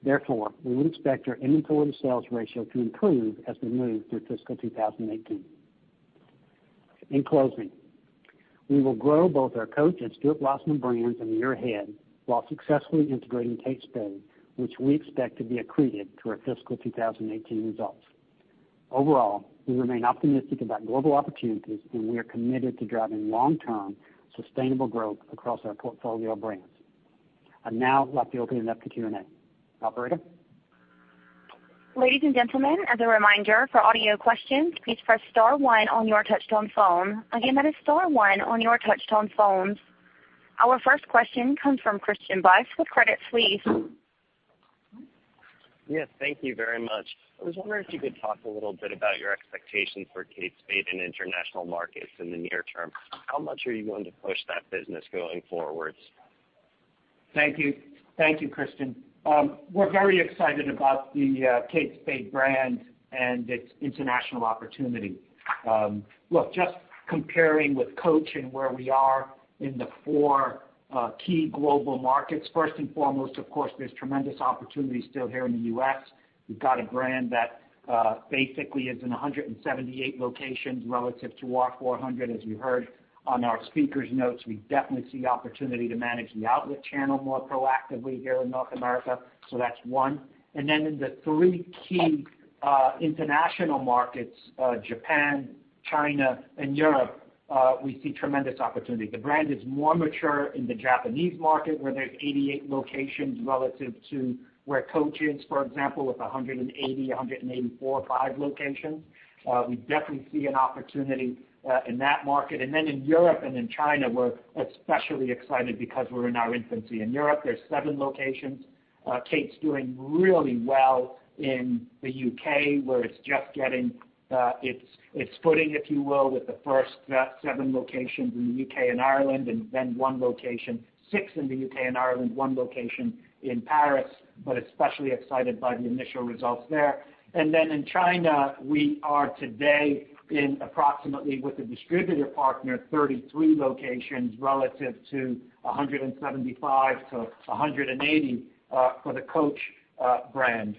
Therefore, we would expect our inventory to sales ratio to improve as we move through fiscal 2018. In closing, we will grow both our Coach and Stuart Weitzman brands in the year ahead while successfully integrating Kate Spade, which we expect to be accretive to our fiscal 2018 results. Overall, we remain optimistic about global opportunities. We are committed to driving long-term sustainable growth across our portfolio of brands. I'd now like to open it up to Q&A. Operator? Ladies and gentlemen, as a reminder, for audio questions, please press *1 on your touch-tone phone. Again, that is *1 on your touch-tone phones. Our first question comes from Christian Buss with Credit Suisse. Yes, thank you very much. I was wondering if you could talk a little bit about your expectations for Kate Spade in international markets in the near term. How much are you going to push that business going forwards? Thank you, Christian. We're very excited about the Kate Spade brand and its international opportunity. Look, just comparing with Coach and where we are in the four key global markets. First and foremost, of course, there's tremendous opportunity still here in the U.S. We've got a brand that basically is in 178 locations relative to our 400. As you heard on our speakers notes, we definitely see opportunity to manage the outlet channel more proactively here in North America. That's one. In the three key international markets, Japan, China, and Europe, we see tremendous opportunity. The brand is more mature in the Japanese market, where there's 88 locations relative to where Coach is, for example, with 180, 184, 5 locations. We definitely see an opportunity in that market. In Europe and in China, we're especially excited because we're in our infancy. In Europe, there's seven locations. Kate's doing really well in the U.K., where it's just getting its footing, if you will, with the first seven locations in the U.K. and Ireland, six in the U.K. and Ireland, one location in Paris. Especially excited by the initial results there. In China, we are today in approximately, with a distributor partner, 33 locations relative to 175 to 180 for the Coach brand.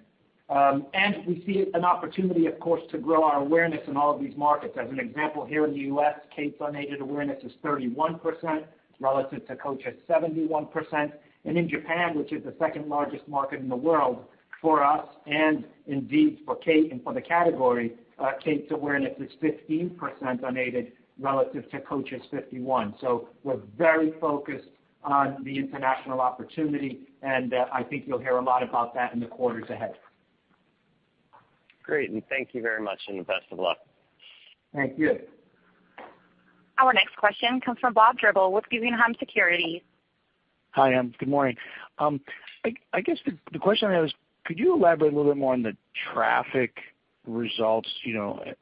We see an opportunity, of course, to grow our awareness in all of these markets. As an example, here in the U.S., Kate's unaided awareness is 31% relative to Coach's 71%. In Japan, which is the second-largest market in the world for us and indeed for Kate and for the category, Kate's awareness is 15% unaided relative to Coach's 51%. We're very focused on the international opportunity, and I think you'll hear a lot about that in the quarters ahead. Great, thank you very much, best of luck. Thank you. Our next question comes from Bob Drbul with Guggenheim Securities. Hi, good morning. I guess the question I have is, could you elaborate a little bit more on the traffic results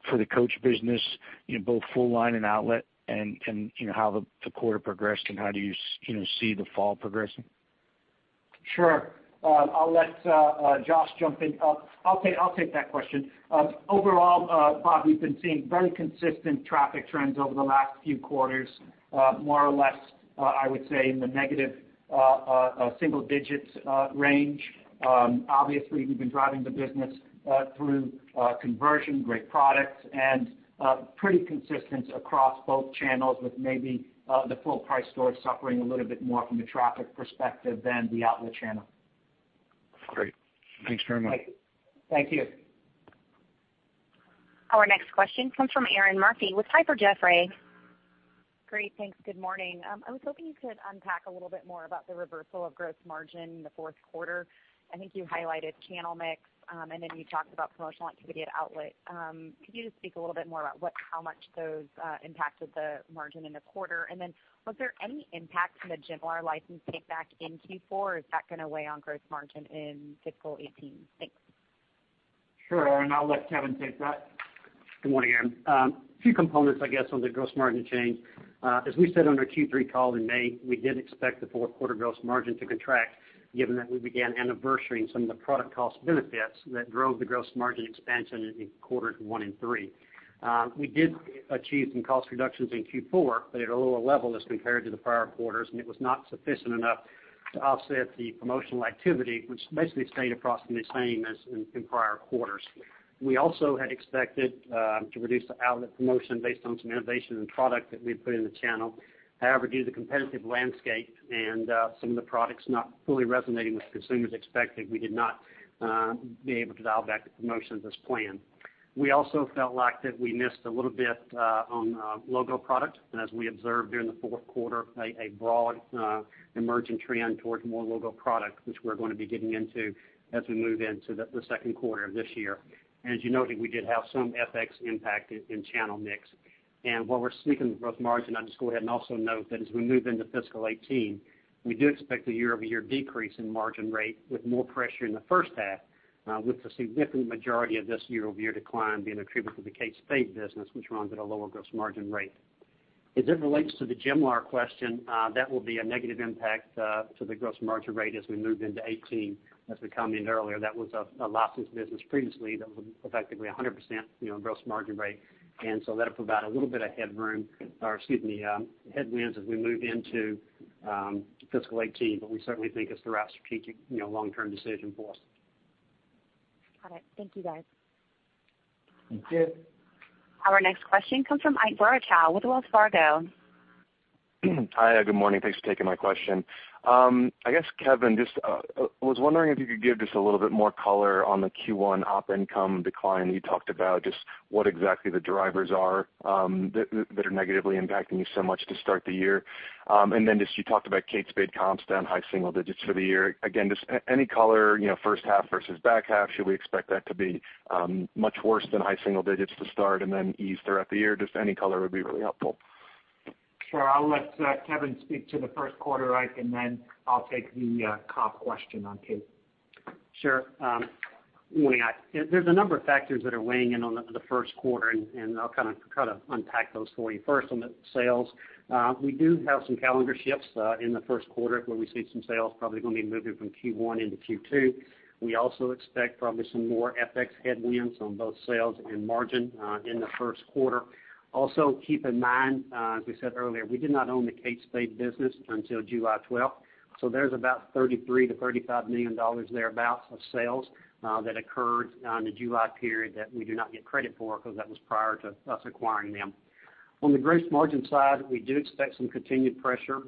for the Coach business, both full line and outlet, and how the quarter progressed, and how do you see the fall progressing? Sure. I'll let Josh jump in. I'll take that question. Overall, Bob, we've been seeing very consistent traffic trends over the last few quarters, more or less, I would say, in the negative single digits range. Obviously, we've been driving the business through conversion, great products, and pretty consistent across both channels, with maybe the full-price stores suffering a little bit more from a traffic perspective than the outlet channel. Great. Thanks very much. Thank you. Our next question comes from Erinn Murphy with Piper Jaffray. Great. Thanks. Good morning. I was hoping you could unpack a little bit more about the reversal of gross margin in the fourth quarter. I think you highlighted channel mix. Then you talked about promotional activity at outlet. Could you just speak a little bit more about how much those impacted the margin in the quarter? Was there any impact from the Jimlar licensing back in Q4? Is that going to weigh on gross margin in fiscal 2018? Thanks. Sure, Erinn. I'll let Kevin take that. Good morning, Erinn. A few components, I guess, on the gross margin change. As we said on our Q3 call in May, we did expect the fourth quarter gross margin to contract, given that we began anniversarying some of the product cost benefits that drove the gross margin expansion in quarters one and three. We did achieve some cost reductions in Q4, but at a lower level as compared to the prior quarters. It was not sufficient enough to offset the promotional activity, which basically stayed approximately the same as in prior quarters. We also had expected to reduce the outlet promotion based on some innovation and product that we had put in the channel. However, due to the competitive landscape and some of the products not fully resonating with consumers expected, we did not be able to dial back the promotions as planned. We also felt like we missed a little bit on logo product, as we observed during the fourth quarter, a broad emerging trend towards more logo product, which we're going to be getting into as we move into the second quarter of this year. As you noted, we did have some FX impact in channel mix. While we're speaking of gross margin, I'll just go ahead and also note that as we move into fiscal 2018, we do expect a year-over-year decrease in margin rate with more pressure in the first half, with the significant majority of this year-over-year decline being attributable to the Kate Spade business, which runs at a lower gross margin rate. As it relates to the Jimlar question, that will be a negative impact to the gross margin rate as we move into 2018. As we commented earlier, that was a licensed business previously that was effectively 100% gross margin rate. That'll provide a little bit of headwind as we move into fiscal 2018. We certainly think it's the right strategic long-term decision for us. Got it. Thank you, guys. Thank you. Our next question comes from Ike Boruchow with Wells Fargo. Hi. Good morning. Thanks for taking my question. I guess, Kevin, was wondering if you could give just a little bit more color on the Q1 op income decline you talked about, just what exactly the drivers are that are negatively impacting you so much to start the year. You talked about Kate Spade comps down high single digits for the year. Any color, first half versus back half. Should we expect that to be much worse than high single digits to start and then ease throughout the year? Any color would be really helpful. Sure. I'll let Kevin speak to the first quarter, Ike, I'll take the comp question on Kate. Sure. Morning, Ike. There's a number of factors that are weighing in on the first quarter, I'll try to unpack those for you. First, on the sales. We do have some calendar shifts in the first quarter where we see some sales probably going to be moving from Q1 into Q2. We also expect probably some more FX headwinds on both sales and margin in the first quarter. Keep in mind, as we said earlier, we did not own the Kate Spade business until July 12. There's about $33 million-$35 million thereabouts of sales that occurred on the July period that we do not get credit for because that was prior to us acquiring them. On the gross margin side, we do expect some continued pressure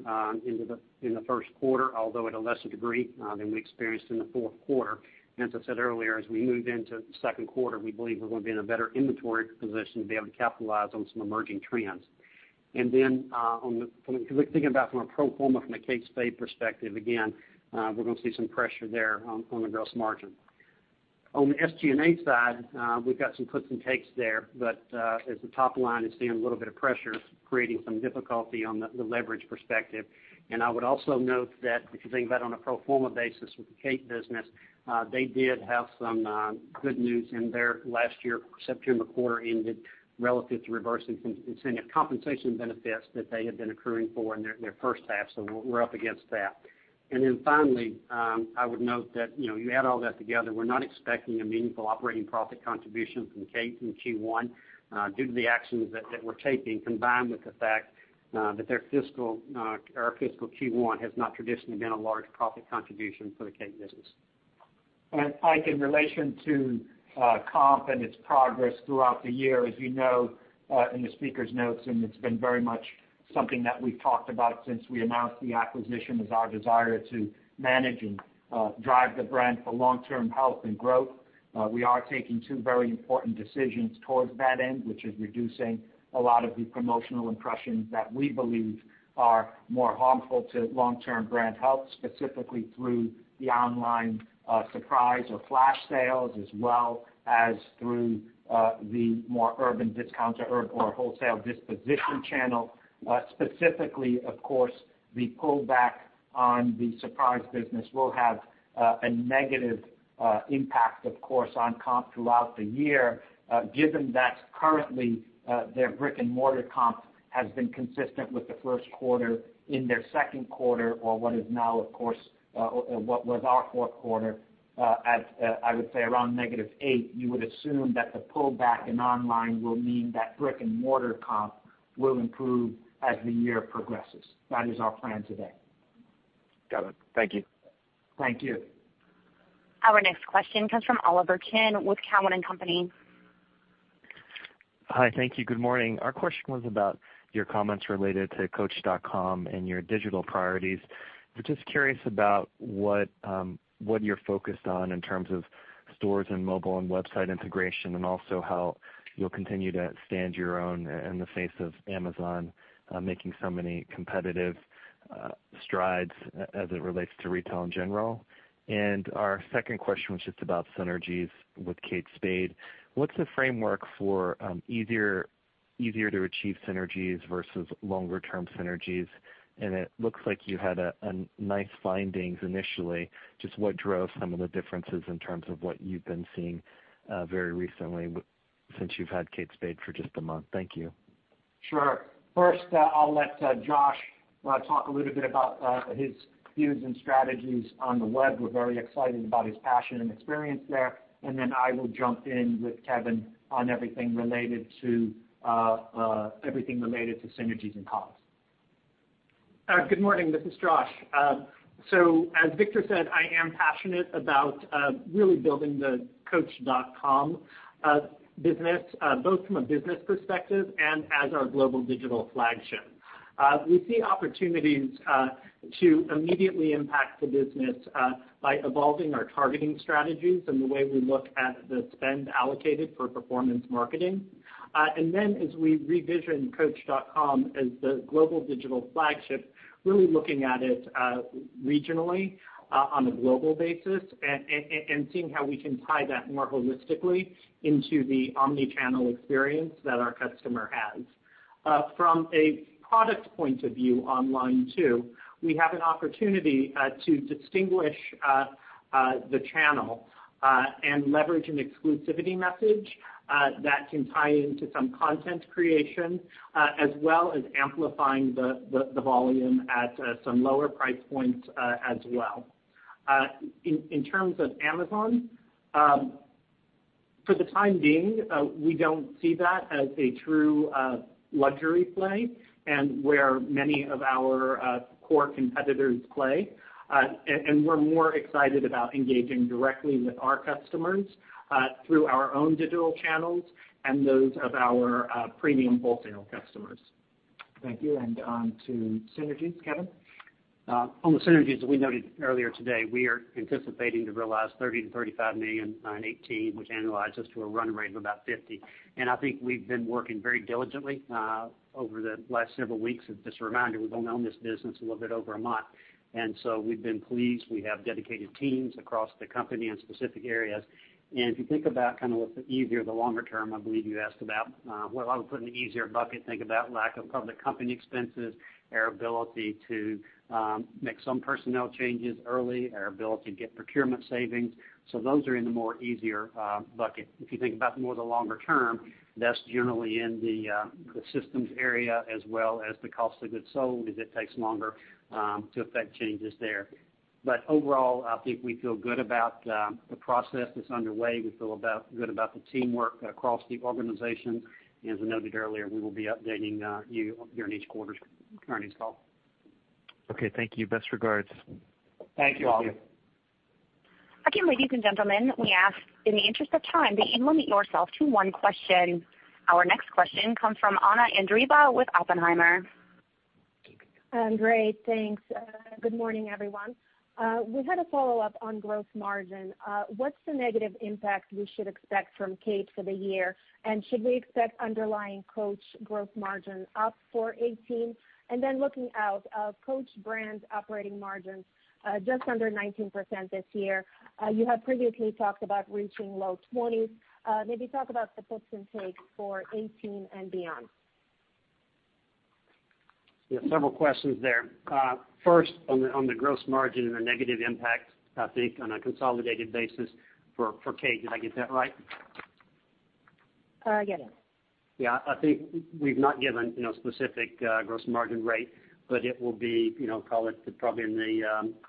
in the first quarter, although at a lesser degree than we experienced in the fourth quarter. As I said earlier, as we move into the second quarter, we believe we're going to be in a better inventory position to be able to capitalize on some emerging trends. Because thinking about from a pro forma, from a Kate Spade perspective, again, we're going to see some pressure there on the gross margin. On the SGA side, we've got some puts and takes there, but as the top line is seeing a little bit of pressure, creating some difficulty on the leverage perspective. I would also note that if you're thinking about on a pro forma basis with the Kate business, they did have some good news in their last year, September quarter ended relative to reversing some incentive compensation benefits that they had been accruing for in their first half. We're up against that. Finally, I would note that, you add all that together, we're not expecting a meaningful operating profit contribution from Kate through Q1 due to the actions that we're taking, combined with the fact that our fiscal Q1 has not traditionally been a large profit contribution for the Kate business. Ike, in relation to comp and its progress throughout the year, as you know in the speaker's notes, it's been very much something that we've talked about since we announced the acquisition, is our desire to manage and drive the brand for long-term health and growth. We are taking two very important decisions towards that end, which is reducing a lot of the promotional impressions that we believe are more harmful to long-term brand health, specifically through the online surprise or flash sales, as well as through the more urban discounter or wholesale disposition channel. Specifically, of course, the pullback on the surprise business will have a negative impact, of course, on comp throughout the year. Given that currently, their brick-and-mortar comp has been consistent with the first quarter in their second quarter or what was our fourth quarter at, I would say around negative eight, you would assume that the pullback in online will mean that brick-and-mortar comp will improve as the year progresses. That is our plan today. Got it. Thank you. Thank you. Our next question comes from Oliver Chen with Cowen and Company. Hi. Thank you. Good morning. Our question was about your comments related to coach.com and your digital priorities. We're just curious about what you're focused on in terms of stores and mobile and website integration, and also how you'll continue to stand your own in the face of Amazon making so many competitive strides as it relates to retail in general. Our second question was just about synergies with Kate Spade. What's the framework for easier to achieve synergies versus longer-term synergies, and it looks like you had nice findings initially. Just what drove some of the differences in terms of what you've been seeing very recently since you've had Kate Spade for just a month? Thank you. First, I'll let Josh talk a little bit about his views and strategies on the web. We're very excited about his passion and experience there. Then I will jump in with Kevin on everything related to synergies and costs. Good morning. This is Josh. As Victor said, I am passionate about really building the coach.com business, both from a business perspective and as our global digital flagship. We see opportunities to immediately impact the business by evolving our targeting strategies and the way we look at the spend allocated for performance marketing. Then as we re-vision coach.com as the global digital flagship, really looking at it regionally on a global basis and seeing how we can tie that more holistically into the omni-channel experience that our customer has. From a product point of view online too, we have an opportunity to distinguish the channel and leverage an exclusivity message that can tie into some content creation, as well as amplifying the volume at some lower price points as well. In terms of Amazon, for the time being, we don't see that as a true luxury play and where many of our core competitors play. We're more excited about engaging directly with our customers through our own digital channels and those of our premium wholesale customers. Thank you. On to synergies, Kevin? On the synergies that we noted earlier today, we are anticipating to realize $30 million-$35 million on 2018, which annualizes to a run rate of about $50 million. I think we've been working very diligently over the last several weeks. Just a reminder, we've only owned this business a little bit over one month. We've been pleased. We have dedicated teams across the company in specific areas. If you think about what the easier the longer term, I believe you asked about. What I would put in the easier bucket, think about lack of public company expenses, our ability to make some personnel changes early, our ability to get procurement savings. Those are in the more easier bucket. If you think about more the longer term, that's generally in the systems area as well as the cost of goods sold, as it takes longer to affect changes there. Overall, I think we feel good about the process that's underway. We feel good about the teamwork across the organization. As I noted earlier, we will be updating you during each quarter's earnings call. Okay. Thank you. Best regards. Thank you all. Thank you. Again, ladies and gentlemen, we ask in the interest of time that you limit yourself to one question. Our next question comes from Anna Andreeva with Oppenheimer. Great. Thanks. Good morning, everyone. We had a follow-up on gross margin. What's the negative impact we should expect from Kate for the year? Should we expect underlying Coach gross margin up for 2018? Then looking out, Coach brand operating margins just under 19% this year. You have previously talked about reaching low 20s. Maybe talk about the puts and takes for 2018 and beyond. Several questions there. First, on the gross margin and the negative impact, I think on a consolidated basis for Kate. Did I get that right? Yes. I think we've not given specific gross margin rate, but it will be call it probably in the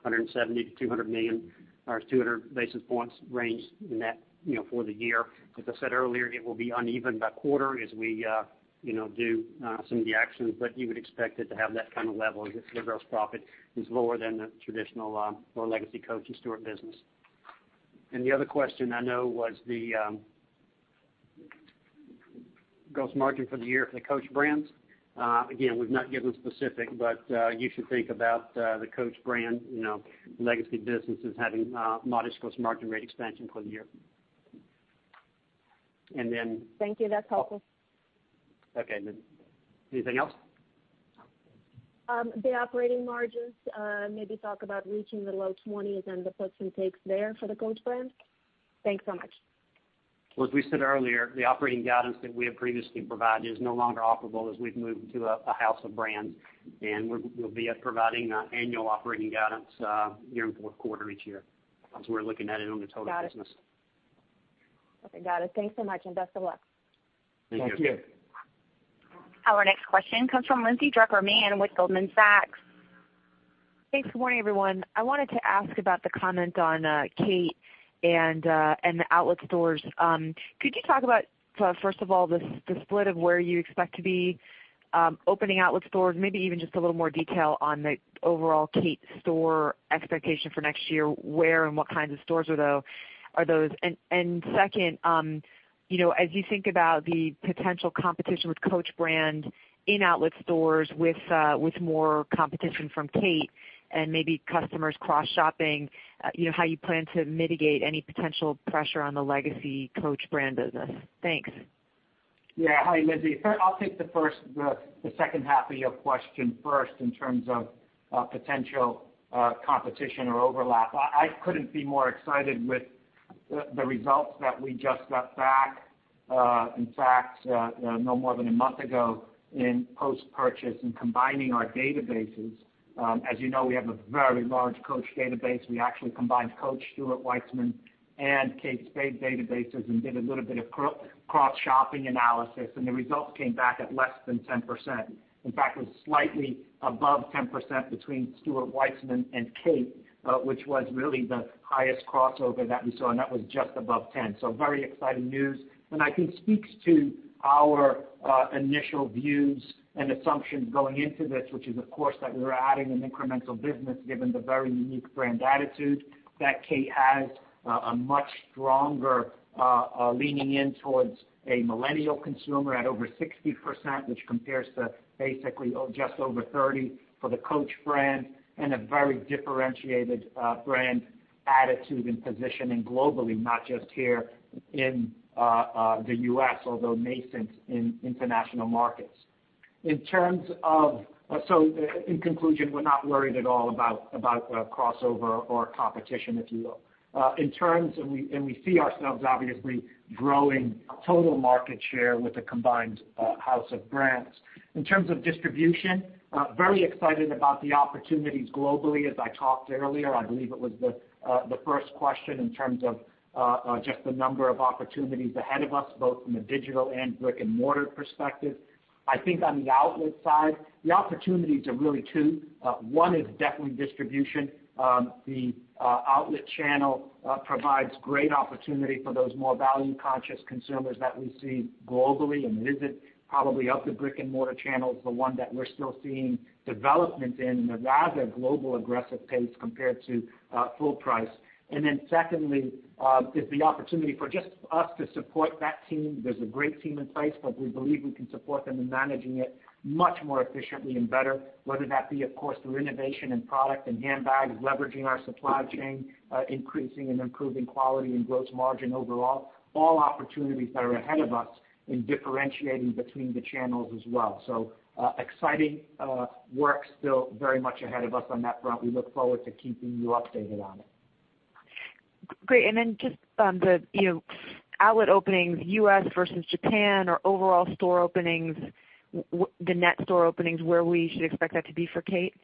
[170 to 200 million] or 200 basis points range net for the year. As I said earlier, it will be uneven by quarter as we do some of the actions, but you would expect it to have that kind of level as the gross profit is lower than the traditional or legacy Coach and Stuart business. The other question I know was the gross margin for the year for the Coach brands. Again, we've not given specific, but you should think about the Coach brand legacy businesses having modest gross margin rate expansion for the year. Then- Thank you. That's helpful. Okay. Anything else? The operating margins, maybe talk about reaching the low 20s and the puts and takes there for the Coach brand. Thanks so much. As we said earlier, the operating guidance that we have previously provided is no longer operable as we've moved to a house of brands, and we'll be providing annual operating guidance during fourth quarter each year as we're looking at it on the total business. Got it. Okay, got it. Thanks so much, and best of luck. Thank you. Thank you. Our next question comes from Lindsay Drucker Mann with Goldman Sachs. Thanks. Good morning, everyone. I wanted to ask about the comment on Kate and the outlet stores. Could you talk about, first of all, the split of where you expect to be opening outlet stores, maybe even just a little more detail on the overall Kate store expectation for next year. Where and what kinds of stores are those? Second, as you think about the potential competition with Coach brand in outlet stores with more competition from Kate and maybe customers cross-shopping, how you plan to mitigate any potential pressure on the legacy Coach brand business? Thanks. Hi, Lindsay. I'll take the second half of your question first in terms of potential competition or overlap. I couldn't be more excited with the results that we just got back, in fact, no more than a month ago in post-purchase and combining our databases. As you know, we have a very large Coach database. We actually combined Coach, Stuart Weitzman, and Kate Spade databases and did a little bit of cross-shopping analysis, and the results came back at less than 10%. In fact, it was slightly above 10% between Stuart Weitzman and Kate, which was really the highest crossover that we saw, and that was just above 10. Very exciting news. I think speaks to our initial views and assumptions going into this, which is, of course, that we're adding an incremental business, given the very unique brand attitude that Kate has, a much stronger leaning in towards a millennial consumer at over 60%, which compares to basically just over 30 for the Coach brand and a very differentiated brand attitude and positioning globally, not just here in the U.S., although nascent in international markets. In conclusion, we're not worried at all about crossover or competition, if you will. We see ourselves, obviously, growing total market share with a combined house of brands. In terms of distribution, very excited about the opportunities globally. As I talked earlier, I believe it was the first question in terms of just the number of opportunities ahead of us, both from a digital and brick-and-mortar perspective. I think on the outlet side, the opportunities are really two. One is definitely distribution. The outlet channel provides great opportunity for those more value-conscious consumers that we see globally and visit probably of the brick-and-mortar channels, the one that we're still seeing development in a rather global aggressive pace compared to full price. Secondly, is the opportunity for just us to support that team. There's a great team in place, but we believe we can support them in managing it much more efficiently and better, whether that be, of course, through innovation and product and handbags, leveraging our supply chain, increasing and improving quality and gross margin overall. All opportunities that are ahead of us in differentiating between the channels as well. Exciting work still very much ahead of us on that front. We look forward to keeping you updated on it. Great. Just on the outlet openings, U.S. versus Japan or overall store openings, the net store openings, where we should expect that to be for Kate?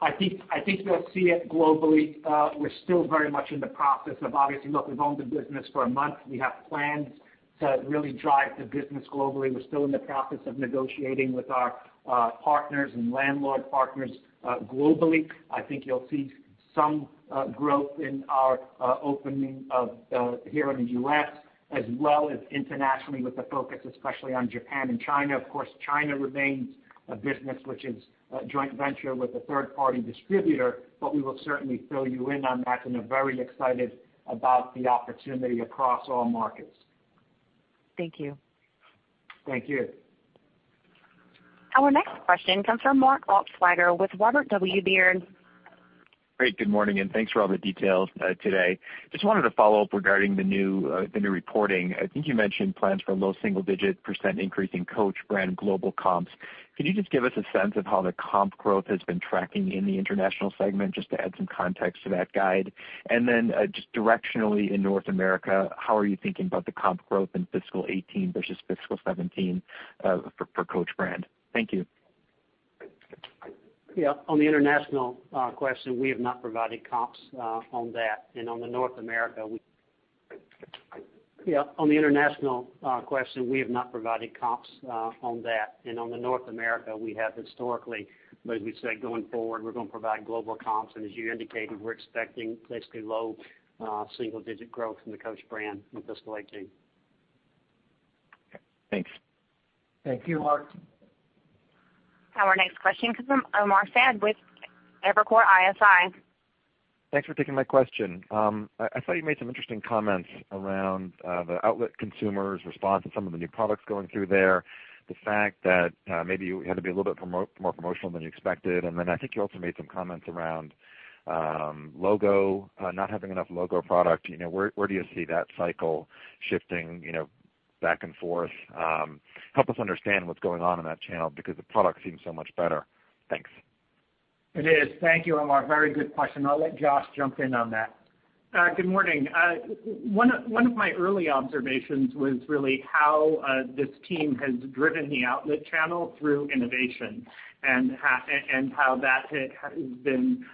I think you'll see it globally. We're still very much in the process of Look, we've owned the business for a month. We have plans to really drive the business globally. We're still in the process of negotiating with our partners and landlord partners globally. I think you'll see some growth in our opening here in the U.S. as well as internationally with the focus especially on Japan and China. Of course, China remains a business which is a joint venture with a third-party distributor, we will certainly fill you in on that and are very excited about the opportunity across all markets. Thank you. Thank you. Our next question comes from Mark Altschwager with Robert W. Baird. Great. Good morning, thanks for all the details today. Just wanted to follow up regarding the new reporting. I think you mentioned plans for a low single-digit % increase in Coach brand global comps. Can you just give us a sense of how the comp growth has been tracking in the international segment, just to add some context to that guide? Then just directionally in North America, how are you thinking about the comp growth in fiscal 2018 versus fiscal 2017 for Coach brand? Thank you. Yeah. On the international question, we have not provided comps on that. On the North America, we have historically, but as we said, going forward, we're going to provide global comps. As you indicated, we're expecting basically low single-digit growth in the Coach brand in fiscal 2018. Okay. Thanks. Thank you, Mark. Our next question comes from Omar Saad with Evercore ISI. Thanks for taking my question. I thought you made some interesting comments around the outlet consumers' response to some of the new products going through there. The fact that maybe you had to be a little bit more promotional than you expected. I think you also made some comments around not having enough logo product. Where do you see that cycle shifting back and forth? Help us understand what's going on in that channel because the product seems so much better. Thanks. It is. Thank you, Omar. Very good question. I'll let Josh jump in on that. Good morning. One of my early observations was really how this team has driven the outlet channel through innovation and how that has been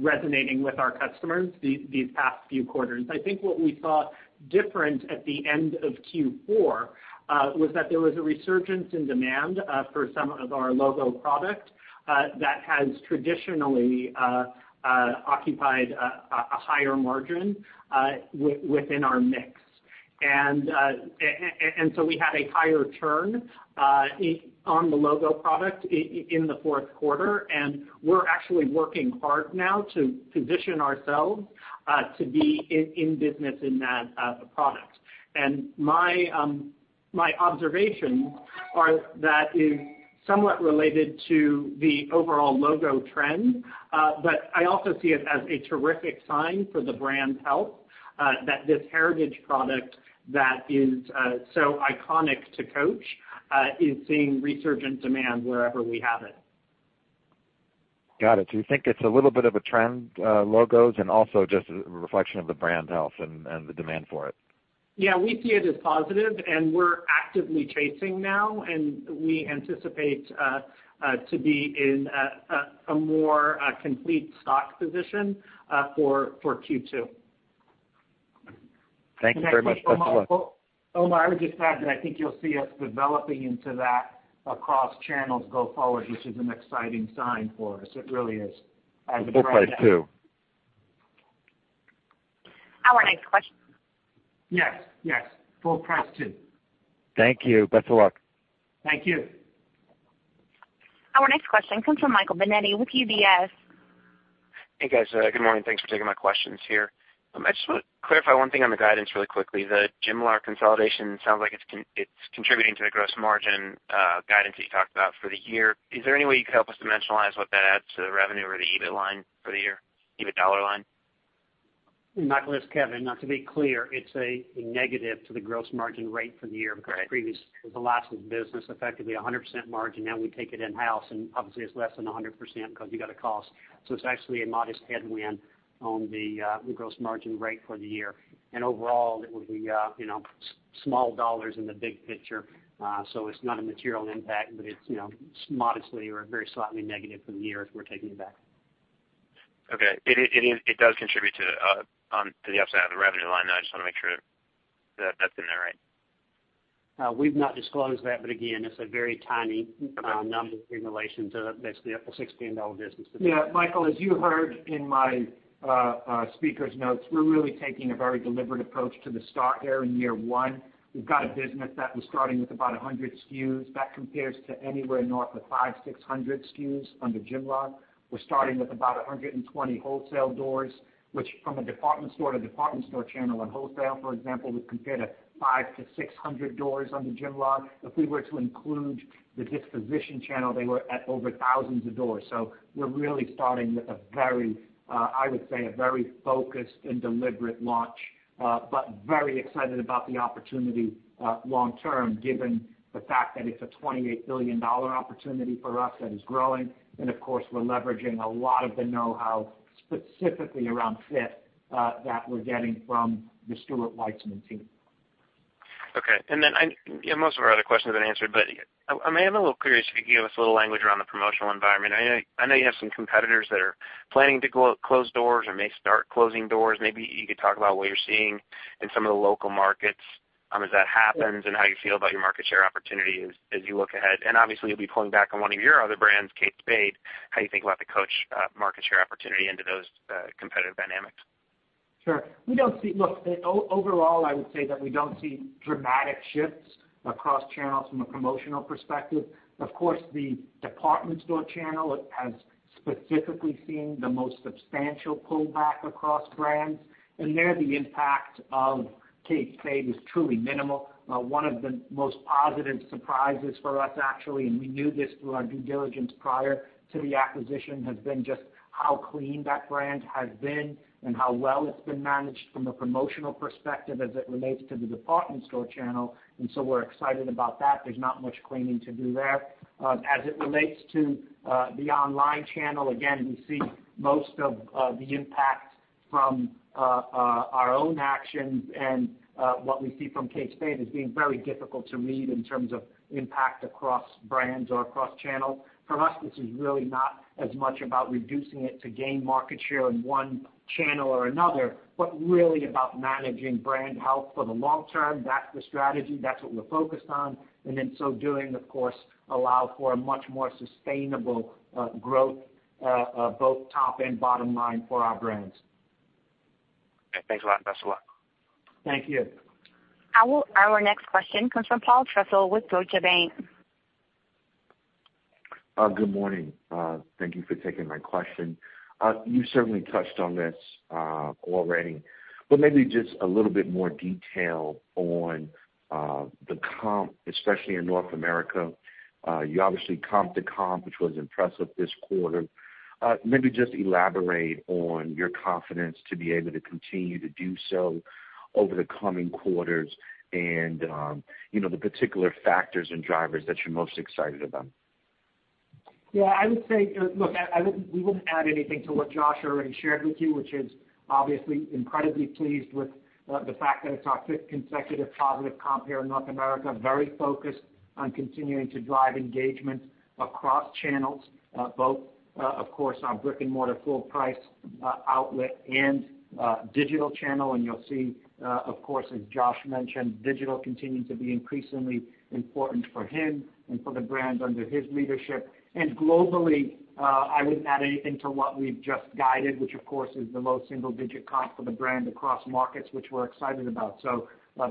resonating with our customers these past few quarters. I think what we saw different at the end of Q4 was that there was a resurgence in demand for some of our logo product that has traditionally occupied a higher margin within our mix. We had a higher turn on the logo product in the fourth quarter, and we're actually working hard now to position ourselves to be in business in that product. My observation are that is somewhat related to the overall logo trend. I also see it as a terrific sign for the brand's health that this heritage product that is so iconic to Coach is seeing resurgent demand wherever we have it. Got it. You think it's a little bit of a trend, logos, and also just a reflection of the brand health and the demand for it. Yeah, we see it as positive, and we're actively chasing now, and we anticipate to be in a more complete stock position for Q2. Thank you very much. Best of luck. Omar, I would just add that I think you'll see us developing into that across channels go forward, which is an exciting sign for us. It really is. Full price, too. Our next question. Yes. Full price, too. Thank you. Best of luck. Thank you. Our next question comes from Michael Binetti with UBS. Hey, guys. Good morning. Thanks for taking my questions here. I just want to clarify one thing on the guidance really quickly. The Jimlar consolidation sounds like it's contributing to the gross margin guidance that you talked about for the year. Is there any way you could help us dimensionalize what that adds to the revenue or the EBIT line for the year, EBIT dollar line? Michael, it's Kevin. To be clear, it's a negative to the gross margin rate for the year. Correct The last business, effectively 100% margin, now we take it in-house and obviously it's less than 100% because you got a cost. It's actually a modest headwind on the gross margin rate for the year. Overall, it will be small dollars in the big picture. It's not a material impact, but it's modestly or very slightly negative for the year if we're taking it back. Okay. It does contribute to the upside of the revenue line, though. I just want to make sure that's in there, right? We've not disclosed that, but again, it's a very tiny number in relation to basically a [$16 business]. Yeah. Michael, as you heard in my speaker's notes, we're really taking a very deliberate approach to the start here in year one. We've got a business that was starting with about 100 SKUs. That compares to anywhere north of 500, 600 SKUs under Jimlar. We're starting with about 120 wholesale doors, which from a department store to department store channel and wholesale, for example, would compare to 500 to 600 doors under Jimlar. If we were to include the disposition channel, they were at over thousands of doors. We're really starting with, I would say, a very focused and deliberate launch. Very excited about the opportunity long term, given the fact that it's a $28 billion opportunity for us that is growing. Of course, we're leveraging a lot of the know-how, specifically around fit, that we're getting from the Stuart Weitzman team. Okay. Then, most of our other questions have been answered, but I may have a little curiosity. Can you give us a little language around the promotional environment? I know you have some competitors that are planning to close doors or may start closing doors. Maybe you could talk about what you're seeing in some of the local markets as that happens, and how you feel about your market share opportunity as you look ahead. Obviously, you'll be pulling back on one of your other brands, Kate Spade. How you think about the Coach market share opportunity into those competitive dynamics. Sure. Look, overall, I would say that we don't see dramatic shifts across channels from a promotional perspective. Of course, the department store channel has specifically seen the most substantial pullback across brands, and there the impact of Kate Spade is truly minimal. One of the most positive surprises for us actually, and we knew this through our due diligence prior to the acquisition, has been just how clean that brand has been and how well it's been managed from a promotional perspective as it relates to the department store channel. So we're excited about that. There's not much cleaning to do there. As it relates to the online channel, again, we see most of the impact from our own actions, and what we see from Kate Spade as being very difficult to read in terms of impact across brands or across channels. For us, this is really not as much about reducing it to gain market share in one channel or another, but really about managing brand health for the long term. That's the strategy, that's what we're focused on. In so doing, of course, allow for a much more sustainable growth, both top and bottom line for our brands. Okay. Thanks a lot. Best of luck. Thank you. Our next question comes from Paul Trussell with Deutsche Bank. Good morning. Thank you for taking my question. You certainly touched on this already, maybe just a little bit more detail on the comp, especially in North America. You obviously comped the comp, which was impressive this quarter. Maybe just elaborate on your confidence to be able to continue to do so over the coming quarters and the particular factors and drivers that you're most excited about. Look, we wouldn't add anything to what Josh already shared with you, which is obviously incredibly pleased with the fact that it's our fifth consecutive positive comp here in North America. Very focused on continuing to drive engagement across channels, both, of course, our brick and mortar full price outlet and digital channel. You'll see, of course, as Josh mentioned, digital continuing to be increasingly important for him and for the brands under his leadership. Globally, I wouldn't add anything to what we've just guided, which of course is the low single digit comp for the brand across markets, which we're excited about.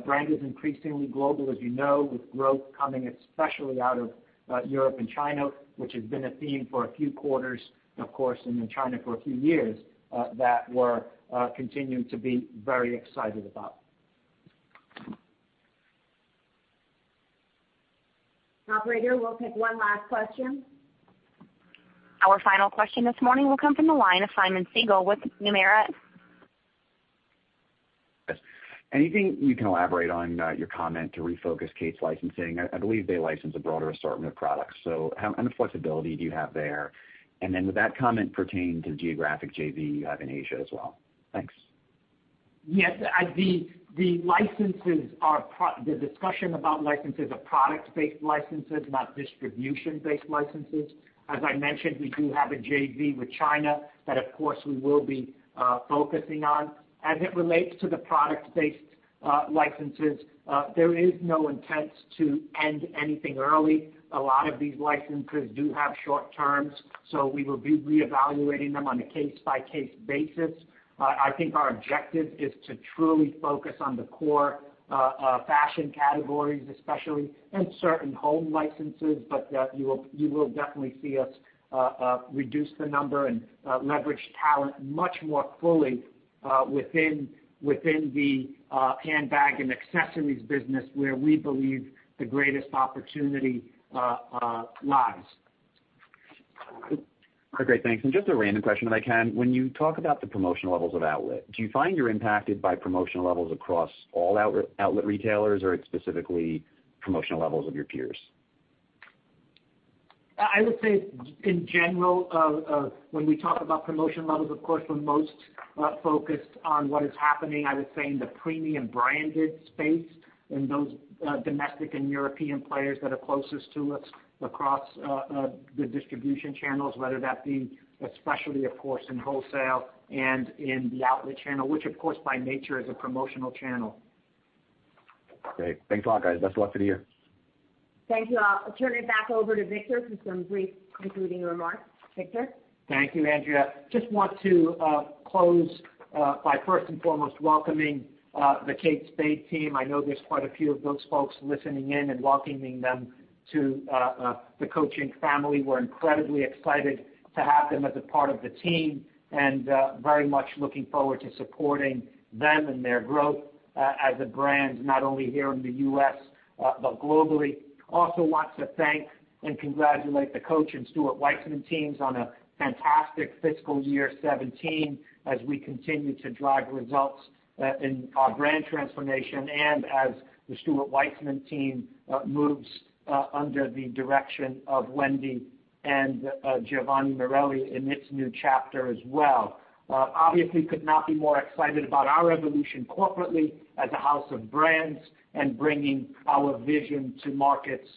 Brand is increasingly global, as you know, with growth coming especially out of Europe and China, which has been a theme for a few quarters, and of course in China for a few years, that we're continuing to be very excited about. Operator, we'll take one last question. Our final question this morning will come from the line of Simeon Siegel with Nomura. Yes. Anything you can elaborate on your comment to refocus Kate Spade's licensing? I believe they license a broader assortment of products. How much flexibility do you have there? Would that comment pertain to the geographic JV you have in Asia as well? Thanks. Yes. The discussion about licenses are product-based licenses, not distribution-based licenses. As I mentioned, we do have a JV with China that, of course, we will be focusing on. As it relates to the product-based licenses, there is no intent to end anything early. A lot of these licenses do have short terms. We will be reevaluating them on a case-by-case basis. I think our objective is to truly focus on the core fashion categories, especially, and certain home licenses. You will definitely see us reduce the number and leverage talent much more fully within the handbag and accessories business, where we believe the greatest opportunity lies. Great. Thanks. Just a random question if I can. When you talk about the promotional levels of outlet, do you find you're impacted by promotional levels across all outlet retailers, or it's specifically promotional levels of your peers? I would say in general, when we talk about promotion levels, of course, we're most focused on what is happening, I would say, in the premium branded space and those domestic and European players that are closest to us across the distribution channels, whether that be especially, of course, in wholesale and in the outlet channel, which of course by nature is a promotional channel. Great. Thanks a lot, guys. Best of luck for the year. Thank you all. I'll turn it back over to Victor for some brief concluding remarks. Victor? Thank you, Andrea. Just want to close by first and foremost welcoming the Kate Spade team. I know there's quite a few of those folks listening in and welcoming them to the Coach family. We're incredibly excited to have them as a part of the team and very much looking forward to supporting them and their growth as a brand, not only here in the U.S., but globally. Also want to thank and congratulate the Coach and Stuart Weitzman teams on a fantastic fiscal year 2017 as we continue to drive results in our brand transformation and as the Stuart Weitzman team moves under the direction of Wendy and Giovanni Morelli in its new chapter as well. Obviously could not be more excited about our evolution corporately as a house of brands and bringing our vision to markets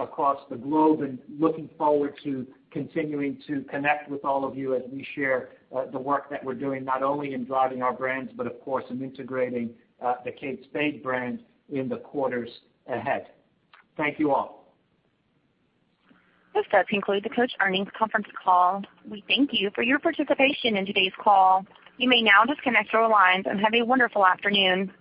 across the globe. Looking forward to continuing to connect with all of you as we share the work that we're doing, not only in driving our brands, but of course in integrating the Kate Spade brand in the quarters ahead. Thank you all. This does conclude the Coach earnings conference call. We thank you for your participation in today's call. You may now disconnect your lines and have a wonderful afternoon